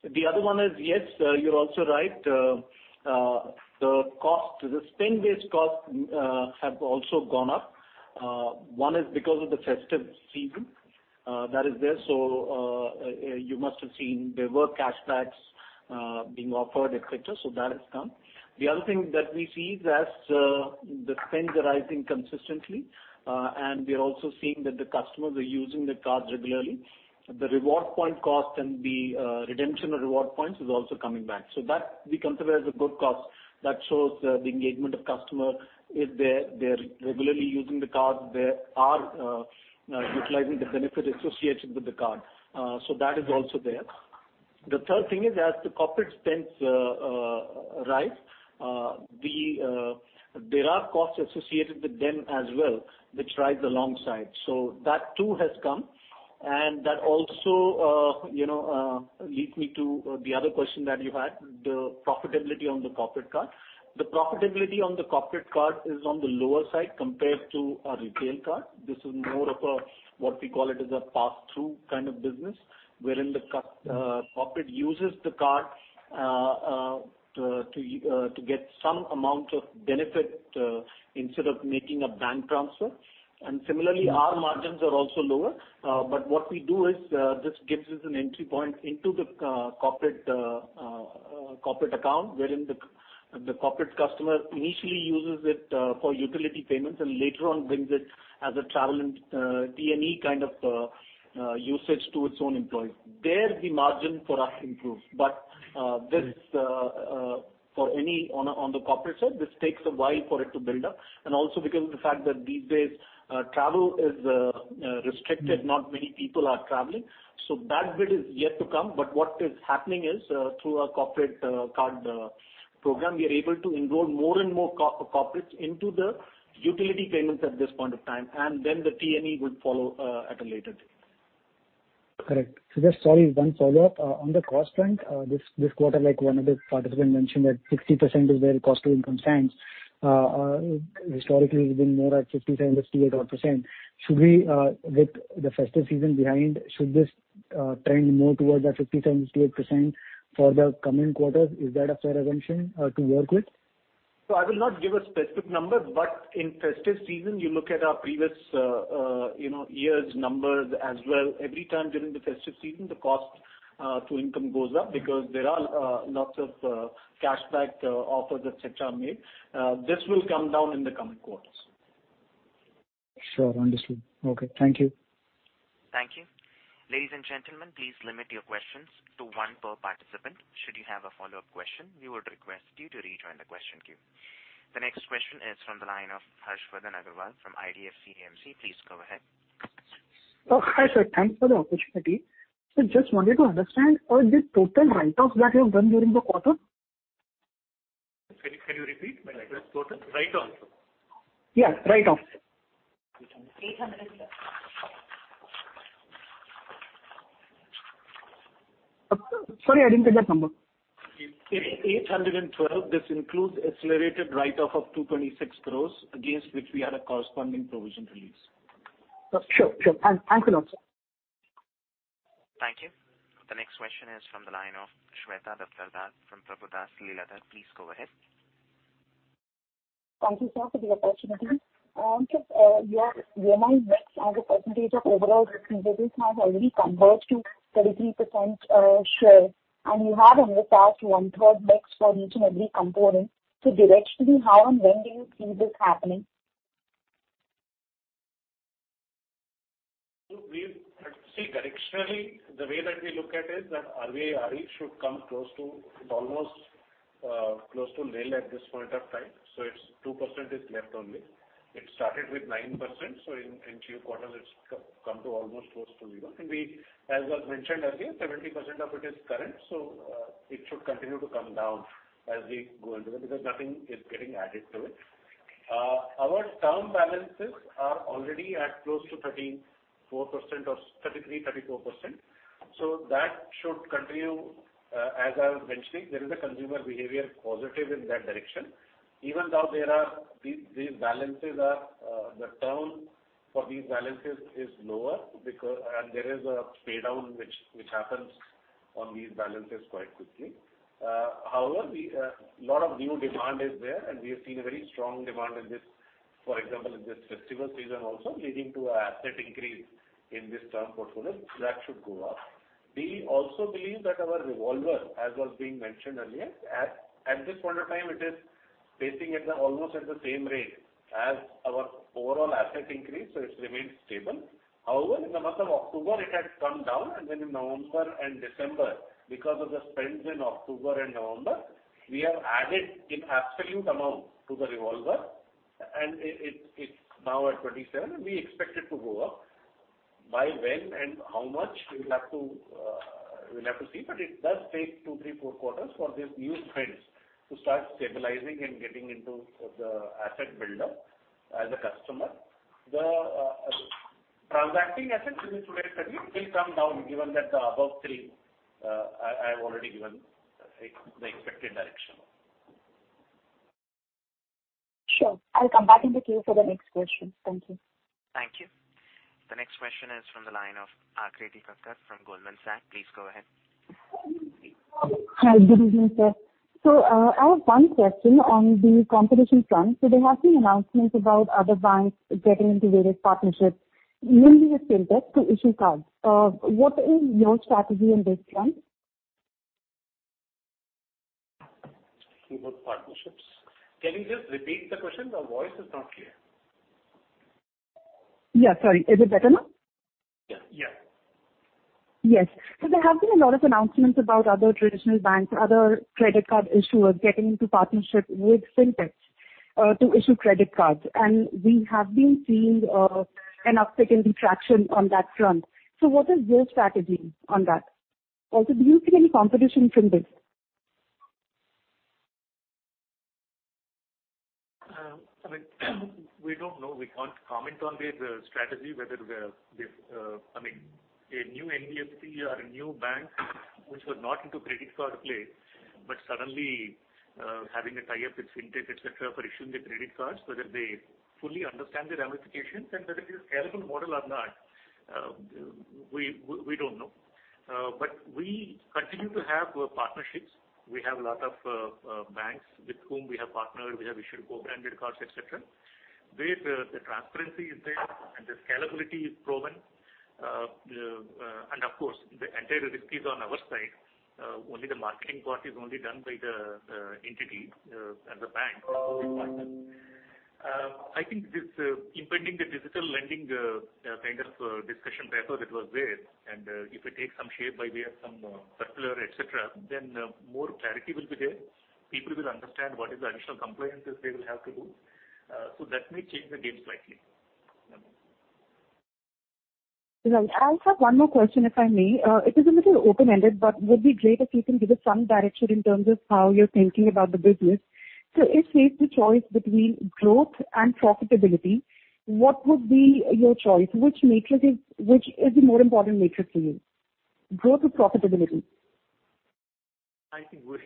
The other one is, yes, you're also right. The cost, the spend-based costs, have also gone up. One is because of the festive season that is there. You must have seen there were cashbacks being offered, et cetera. That has come. The other thing that we see is as the spends are rising consistently, and we are also seeing that the customers are using the cards regularly. The reward point cost and the redemption of reward points is also coming back. That we consider as a good cost that shows the engagement of customer if they're regularly using the card, they are utilizing the benefit associated with the card. That is also there. The third thing is as the corporate spends rise, there are costs associated with them as well, which rise alongside. That too has come. That also, you know, leads me to the other question that you had, the profitability on the corporate card. The profitability on the corporate card is on the lower side compared to a retail card. This is more of a, what we call it as a pass-through kind of business, wherein the corporate uses the card to get some amount of benefit instead of making a bank transfer. Similarly, our margins are also lower. What we do is, this gives us an entry point into the corporate account, wherein the corporate customer initially uses it for utility payments and later on brings it as a travel and T&E kind of usage to its own employees. There the margin for us improves. This, for anyone on the corporate side, takes a while for it to build up. Also because of the fact that these days, travel is restricted, not many people are traveling, so that bit is yet to come. What is happening is, through our corporate card program, we are able to enroll more and more corporates into the utility payments at this point of time, and then the T&E would follow at a later date. Correct. Just, sorry, one follow-up. On the cost front, this quarter, like one of the participants mentioned that 60% is the cost-to-income trend. Historically it's been more at 57-odd %, 58-odd %. With the festive season behind, should this trend more towards that 57%, 58% for the coming quarters? Is that a fair assumption to work with? I will not give a specific number, but in festive season, you look at our previous, you know, years' numbers as well. Every time during the festive season, the cost to income goes up because there are lots of cashback offers, et cetera, made. This will come down in the coming quarters. Sure. Understood. Okay. Thank you. Thank you. Ladies and gentlemen, please limit your questions to one per participant. Should you have a follow-up question, we would request you to rejoin the question queue. The next question is from the line of Harshvardhan Agarwal from IDFC AMC. Please go ahead. Oh, hi, sir. Thanks for the opportunity. Just wanted to understand the total write-off that you have done during the quarter. Can you repeat? My network is poor. Write-off? Yes, write-off. 812. Sorry, I didn't get that number. 812. This includes accelerated write-off of 226 crore against which we had a corresponding provision release. Sure. Thank you now, sir. Thank you. The next question is from the line of Shweta Daptardar from Prabhudas Lilladher. Please go ahead. Thank you, sir, for the opportunity. Your EMI mix as a percentage of overall receivables has already converged to 33% share, and you have in the past one-third mix for each and every component. Directionally, how and when do you see this happening? See, directionally, the way that we look at is that RWA, RE should come close to almost close to nil at this point of time. It's 2% is left only. It started with 9%. In two quarters, it's come to almost close to zero. As was mentioned earlier, 70% of it is current, it should continue to come down as we go into it because nothing is getting added to it. Our term balances are already at close to 13.4% or 33%-34%. That should continue. As I was mentioning, there is a consumer behavior positive in that direction. Even though there are these balances, the term for these balances is lower because there is a pay down which happens on these balances quite quickly. However, a lot of new demand is there and we have seen a very strong demand in this, for example, in this festival season also leading to an asset increase in this term portfolio that should go up. We also believe that our revolver, as was being mentioned earlier, at this point of time it is pacing almost at the same rate as our overall asset increase, so it remains stable. However, in the month of October it had come down, and then in November and December, because of the spends in October and November, we have added in absolute amount to the revolver, and it's now at 27% and we expect it to go up. By when and how much, we'll have to see, but it does take two, three, four quarters for these new spends to start stabilizing and getting into the asset buildup as a customer. The transacting assets which is today 30 will come down given that the above three, I've already given the expected direction. Sure. I'll come back into queue for the next question. Thank you. Thank you. The next question is from the line of Aakriti Kakkar from Goldman Sachs. Please go ahead. Hi. Good evening, sir. I have one question on the competition front. There has been announcements about other banks getting into various partnerships, mainly with FinTech to issue cards. What is your strategy on this front? About partnerships? Can you just repeat the question? The voice is not clear. Yeah, sorry. Is it better now? Yeah. Yeah. Yes. There have been a lot of announcements about other traditional banks, other credit card issuers getting into partnership with FinTech to issue credit cards. We have been seeing an uptick in the traction on that front. What is your strategy on that? Also, do you see any competition from this? I mean, we don't know. We can't comment on their strategy, whether they have a new NBFC or a new bank which were not into credit card play, but suddenly having a tie-up with FinTech, et cetera, for issuing the credit cards, whether they fully understand the ramifications and whether it is a scalable model or not, we don't know. We continue to have partnerships. We have a lot of banks with whom we have partnered. We have issued co-branded cards, et cetera. There, the transparency is there and the scalability is proven. Of course, the entire risk is on our side. Only the marketing part is done by the entity and the bank partner. I think this impending digital lending kind of discussion paper that was there, and if it takes some shape by way of some circular, et cetera, then more clarity will be there. People will understand what is the additional compliances they will have to do. That may change the game slightly. Yeah. Right. I'll have one more question, if I may. It is a little open-ended, but would be great if you can give us some direction in terms of how you're thinking about the business. If faced the choice between growth and profitability, what would be your choice? Which matrix is the more important matrix for you? Growth or profitability? I think we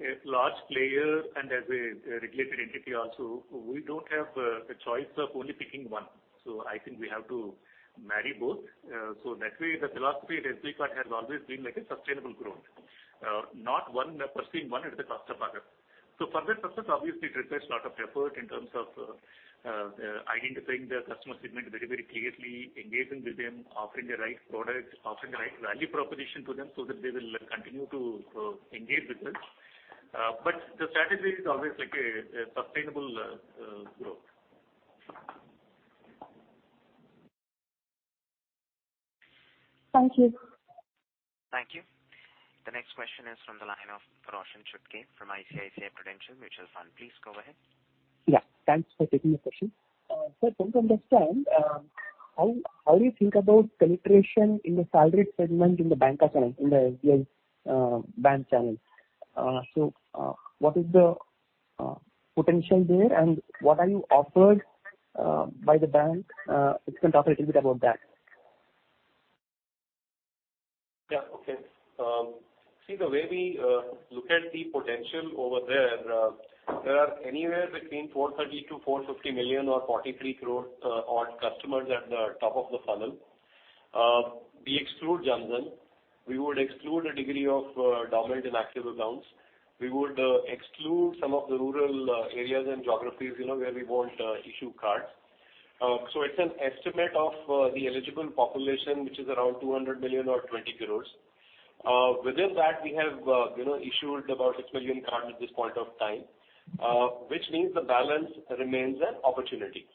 as a large player and as a regulated entity also, we don't have the choice of only picking one. I think we have to marry both. That way the philosophy at SBI Card has always been like a sustainable growth, not pursuing one at the cost of other. For that purpose, obviously it requires lot of effort in terms of identifying the customer segment very, very clearly, engaging with them, offering the right product, offering the right value proposition to them so that they will continue to engage with us. The strategy is always like a sustainable growth. Thank you. Thank you. The next question is from the line of Roshan Chutkey from ICICI Prudential Mutual Fund. Please go ahead. Thanks for taking the question. Sir, to understand how do you think about penetration in the salaried segment in the bank channel, in the SBI bank channel? What is the potential there, and what are you offered by the bank? If you can talk a little bit about that. Yeah. Okay. See, the way we look at the potential over there are anywhere between 430 million-450 million or 43 crores odd customers at the top of the funnel. We exclude Jan Dhan. We would exclude a degree of dormant and active accounts. We would exclude some of the rural areas and geographies, you know, where we won't issue cards. It's an estimate of the eligible population, which is around 200 million or 20 crores. Within that, we have, you know, issued about 6 million cards at this point of time, which means the balance remains an opportunity.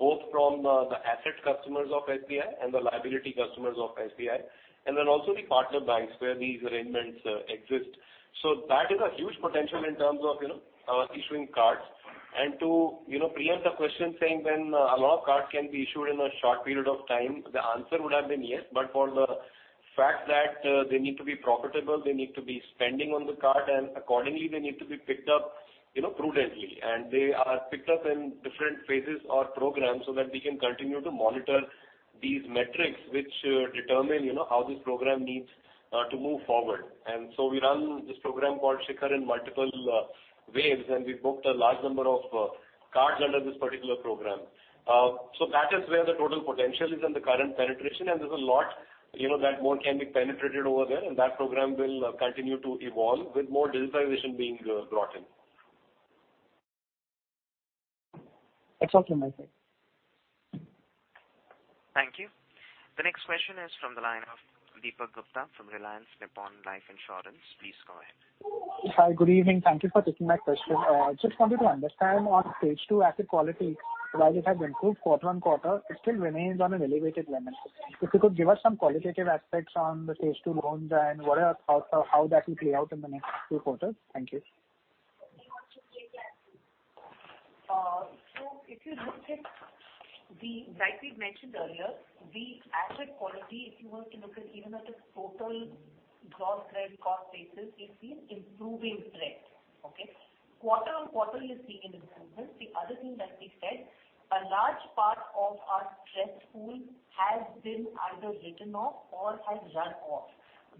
Both from the asset customers of SBI and the liability customers of SBI, and then also the partner banks where these arrangements exist. That is a huge potential in terms of, you know, issuing cards. To, you know, preempt the question saying when a lot of cards can be issued in a short period of time, the answer would have been yes. For the fact that they need to be profitable, they need to be spending on the card, and accordingly, they need to be picked up, you know, prudently. They are picked up in different phases or programs so that we can continue to monitor these metrics which determine, you know, how this program needs to move forward. We run this program called Shikhar in multiple waves, and we've booked a large number of cards under this particular program. That is where the total potential is and the current penetration. There's a lot, you know, that more can be penetrated over there and that program will continue to evolve with more digitization being brought in. That's all from my side. Thank you. The next question is from the line of Deepak Gupta from Reliance Nippon Life Insurance. Please go ahead. Hi. Good evening. Thank you for taking my question. Just wanted to understand on stage two asset quality, while it has improved quarter-over-quarter, it still remains on an elevated level. If you could give us some qualitative aspects on the stage two loans and how that will play out in the next few quarters. Thank you. If you look at the, like we mentioned earlier, the asset quality, if you want to look at even at a total gross credit cost basis, we've seen improving trend. Okay? Quarter-on-quarter, you're seeing an improvement. The other thing that we said, a large part of our stress pool has been either written off or has run off.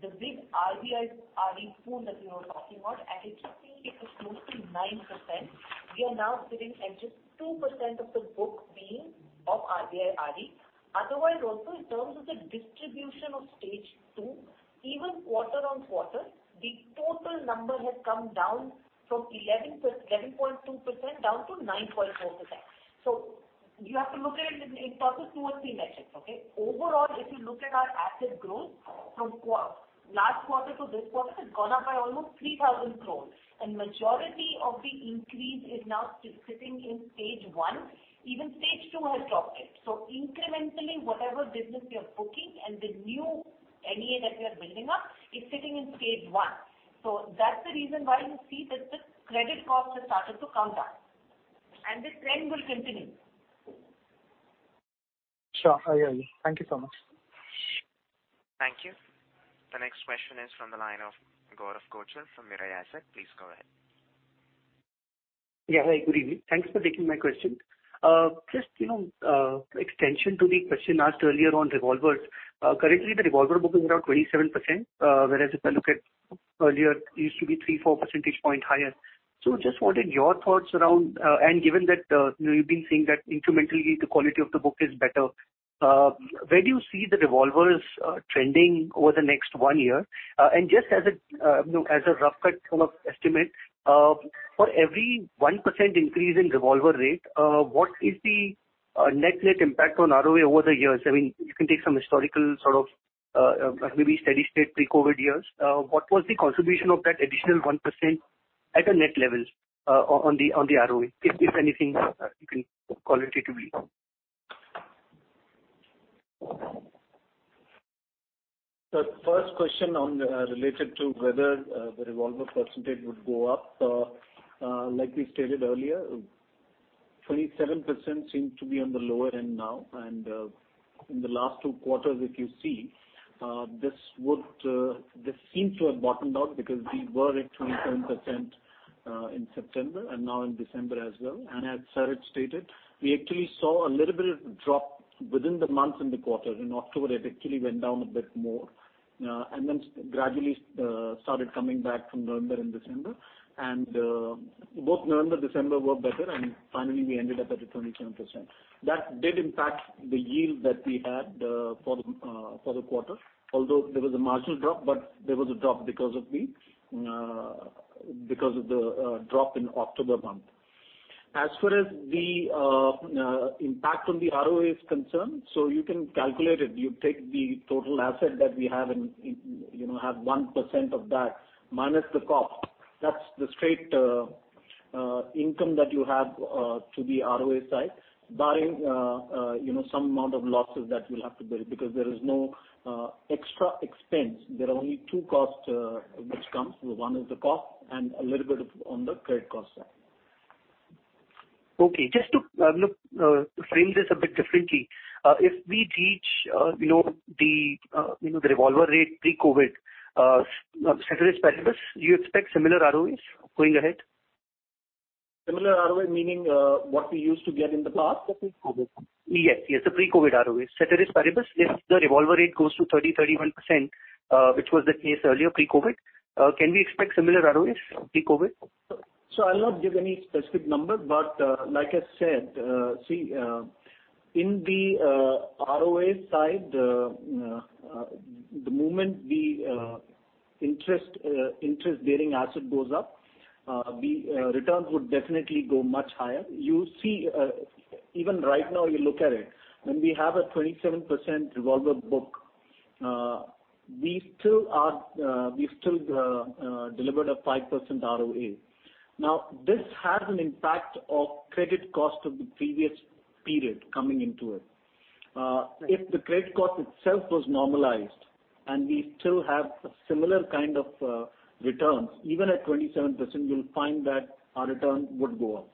The big RBRE pool that we were talking about, and it just seems it was close to 9%, we are now sitting at just 2% of the book being of RBRE. Otherwise, also in terms of the distribution of stage two, even quarter-on-quarter, the total number has come down from 11.2% down to 9.4%. You have to look at it in terms of two or three metrics. Okay? Overall, if you look at our asset growth from last quarter to this quarter, it's gone up by almost 3,000 crore, and majority of the increase is now sitting in stage one. Even stage two has dropped it. Incrementally, whatever business we are booking and the new NEA that we are building up is sitting in stage one. That's the reason why you see that the credit cost has started to come down, and this trend will continue. Sure. I hear you. Thank you so much. Thank you. The next question is from the line of Gaurav Kochar from Mirae Asset. Please go ahead. Yeah. Hi, good evening. Thanks for taking my question. Just, you know, extension to the question asked earlier on revolvers. Currently the revolver book is around 27%, whereas if I look at earlier, it used to be 3 percentage point-4 percentage point higher. Just wanted your thoughts around, and given that, you've been saying that incrementally the quality of the book is better, where do you see the revolvers trending over the next 1 year? And just as a, you know, as a rough cut sort of estimate, for every 1% increase in revolver rate, what is the net net impact on ROE over the years? I mean, you can take some historical sort of, maybe steady state pre-COVID years. What was the contribution of that additional 1% at a net level on the ROE? If anything, you can qualitatively. The first question related to whether the revolver percentage would go up. Like we stated earlier, 27% seems to be on the lower end now. In the last two quarters, if you see, this seems to have bottomed out because we were at 27% in September and now in December as well. As Girish stated, we actually saw a little bit of drop within the month in the quarter. In October, it actually went down a bit more, and then gradually started coming back from November and December. Both November, December were better, and finally we ended up at a 27%. That did impact the yield that we had for the quarter, although there was a marginal drop, but there was a drop because of the drop in October month. As far as the impact on the ROA is concerned, you can calculate it. You take the total asset that we have, 1% of that minus the cost. That's the straight income that you have to the ROA side, barring some amount of losses that you'll have to bear because there is no extra expense. There are only two costs which comes. One is the cost and a little bit on the credit cost side. Okay. Just to frame this a bit differently, if we reach you know the revolver rate pre-COVID, ceteris paribus, do you expect similar ROAs going ahead? Similar ROA meaning, what we used to get in the past? The pre-COVID-19. Yes, yes. The pre-COVID ROA. Ceteris paribus, if the revolver rate goes to 30%-31%, which was the case earlier pre-COVID, can we expect similar ROAs pre-COVID? I'll not give any specific number, but, like I said, see, in the ROA side, the moment the interest bearing asset goes up, the returns would definitely go much higher. You see, even right now you look at it, when we have a 27% revolver book, we've still delivered a 5% ROA. Now, this has an impact of credit cost of the previous period coming into it. If the credit cost itself was normalized and we still have a similar kind of returns, even at 27%, you'll find that our return would go up.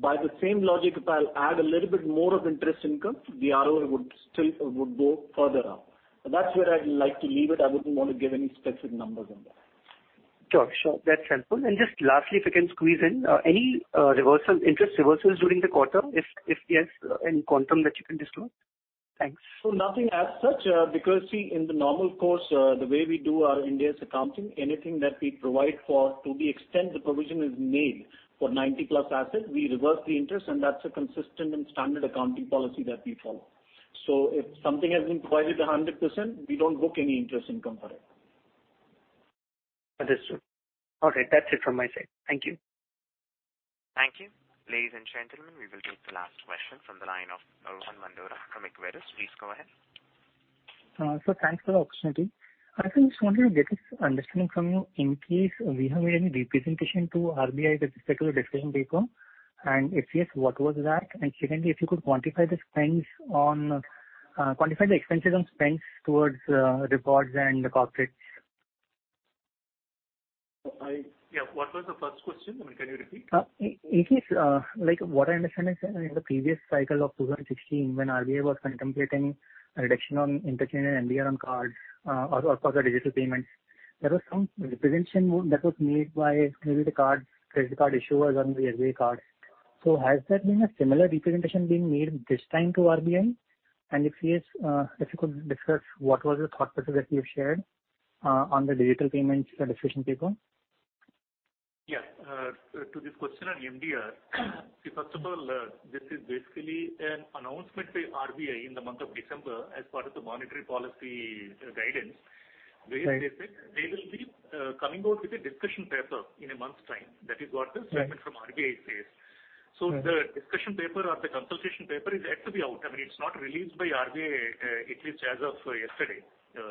By the same logic, if I'll add a little bit more of interest income, the ROA would go further up. That's where I'd like to leave it. I wouldn't want to give any specific numbers on that. Sure, sure. That's helpful. Just lastly, if you can squeeze in any reversal, interest reversals during the quarter? If yes, any quantum that you can disclose? Thanks. Nothing as such, because, see, in the normal course, the way we do our Indian accounting, anything that we provide for to the extent the provision is made for 90-plus assets, we reverse the interest, and that's a consistent and standard accounting policy that we follow. If something has been provided 100%, we don't book any interest income for it. Understood. Okay, that's it from my side. Thank you. Thank you. Ladies and gentlemen, we will take the last question from the line of Rohan Mandora from Equirus. Please go ahead. Thanks for the opportunity. I just wanted to get this understanding from you. In case we have made any representation to RBI with respect to the decision paper, and if yes, what was that? Secondly, if you could quantify the expenses on spends towards rewards and corporates. Yeah, what was the first question? I mean, can you repeat? In case, like what I understand is in the previous cycle of 2016 when RBI was contemplating a reduction on interchange and MDR on cards, or for the digital payments, there was some representation that was made by maybe the credit card issuers to the RBI. Has there been a similar representation being made this time to RBI? And if yes, if you could discuss what was the thought process that you've shared on the digital payments decision, perhaps? Yeah, to this question on MDR, first of all, this is basically an announcement by RBI in the month of December as part of the monetary policy guidance. Right. Where they said they will be coming out with a discussion paper in a month's time. That is what the statement from RBI says. Mm-hmm. The discussion paper or the consultation paper is yet to be out. I mean, it's not released by RBI, at least as of yesterday.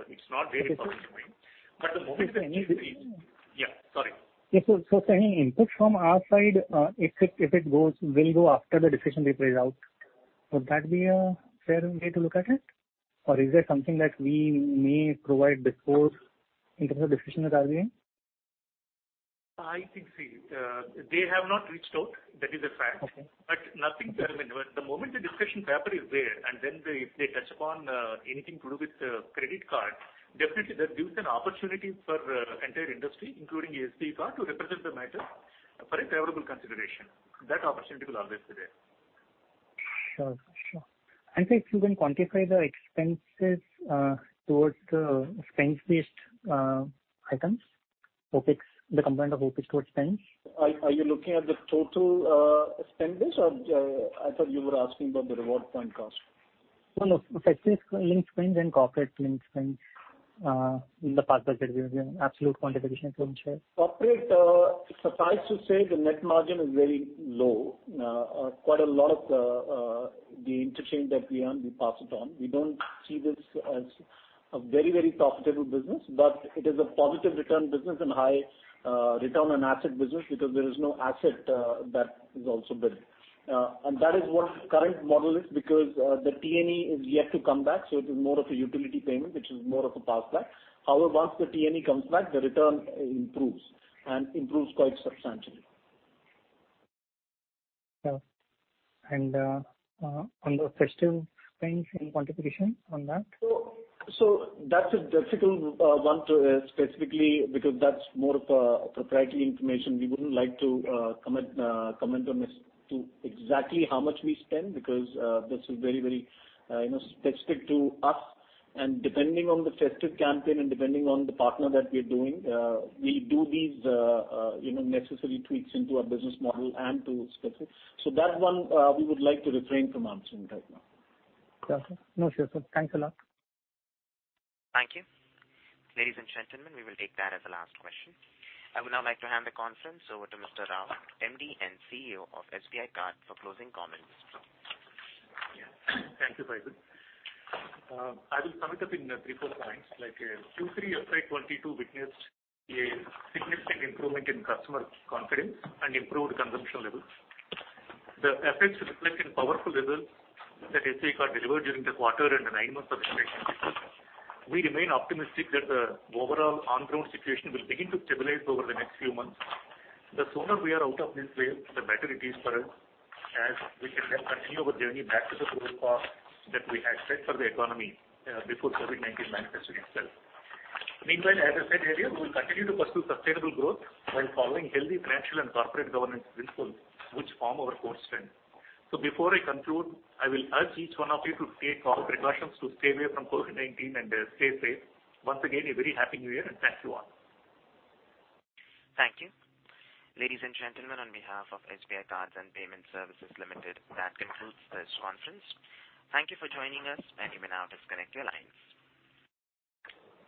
It's not very forthcoming. Okay. The moment they release. Is there any- Yeah, sorry. Yeah, any input from our side, if it goes, will go after the decision paper is out. Would that be a fair way to look at it? Or is there something that we may provide before in terms of decision with RBI? I think, see, they have not reached out. That is a fact. Okay. Nothing permanent. The moment the discussion paper is there, and then they, if they touch upon anything to do with the credit card, definitely that gives an opportunity for entire industry, including SBI Card, to represent the matter for a favorable consideration. That opportunity will always be there. Sure, sure. Sir, if you can quantify the expenses towards spends-based items, OPEX, the component of OPEX towards spends? Are you looking at the total spend base? I thought you were asking about the reward point cost. No, no. Festive link spends and corporate link spends, in the past that we've given absolute quantification from share. Corporate, suffice to say the net margin is very low. Quite a lot of the interchange that we earn, we pass it on. We don't see this as a very, very profitable business, but it is a positive return business and high return on asset business because there is no asset that is also built. That is what current model is because the T&E is yet to come back, so it is more of a utility payment, which is more of a passback. However, once the T&E comes back, the return improves and improves quite substantially. Sure. On the festive spends, any quantification on that? That's a difficult one to specifically because that's more of a proprietary information. We wouldn't like to comment on this to exactly how much we spend because this is very you know specific to us. Depending on the festive campaign and depending on the partner that we are doing, we do these you know necessary tweaks into our business model and to specifics. That one, we would like to refrain from answering right now. Yeah, sir. No, sure, sir. Thanks a lot. Thank you. Ladies and gentlemen, we will take that as the last question. I would now like to hand the conference over to Mr. Rao, MD and CEO of SBI Card for closing comments. Yeah. Thank you, Faizal. I will sum it up in three, four points, like, Q3 FY 2022 witnessed a significant improvement in customer confidence and improved consumption levels. The effects reflect in powerful results that SBI Card delivered during the quarter and the nine months of this financial year. We remain optimistic that the overall on-ground situation will begin to stabilize over the next few months. The sooner we are out of this wave, the better it is for us, as we can then continue our journey back to the growth path that we had set for the economy before COVID-19 manifested itself. Meanwhile, as I said earlier, we'll continue to pursue sustainable growth while following healthy financial and corporate governance principles which form our core strength. Before I conclude, I will urge each one of you to take all precautions to stay away from COVID-19 and stay safe. Once again, a very happy new year, and thank you all. Thank you. Ladies and gentlemen, on behalf of SBI Cards and Payment Services Limited, that concludes this conference. Thank you for joining us, and you may now disconnect your lines.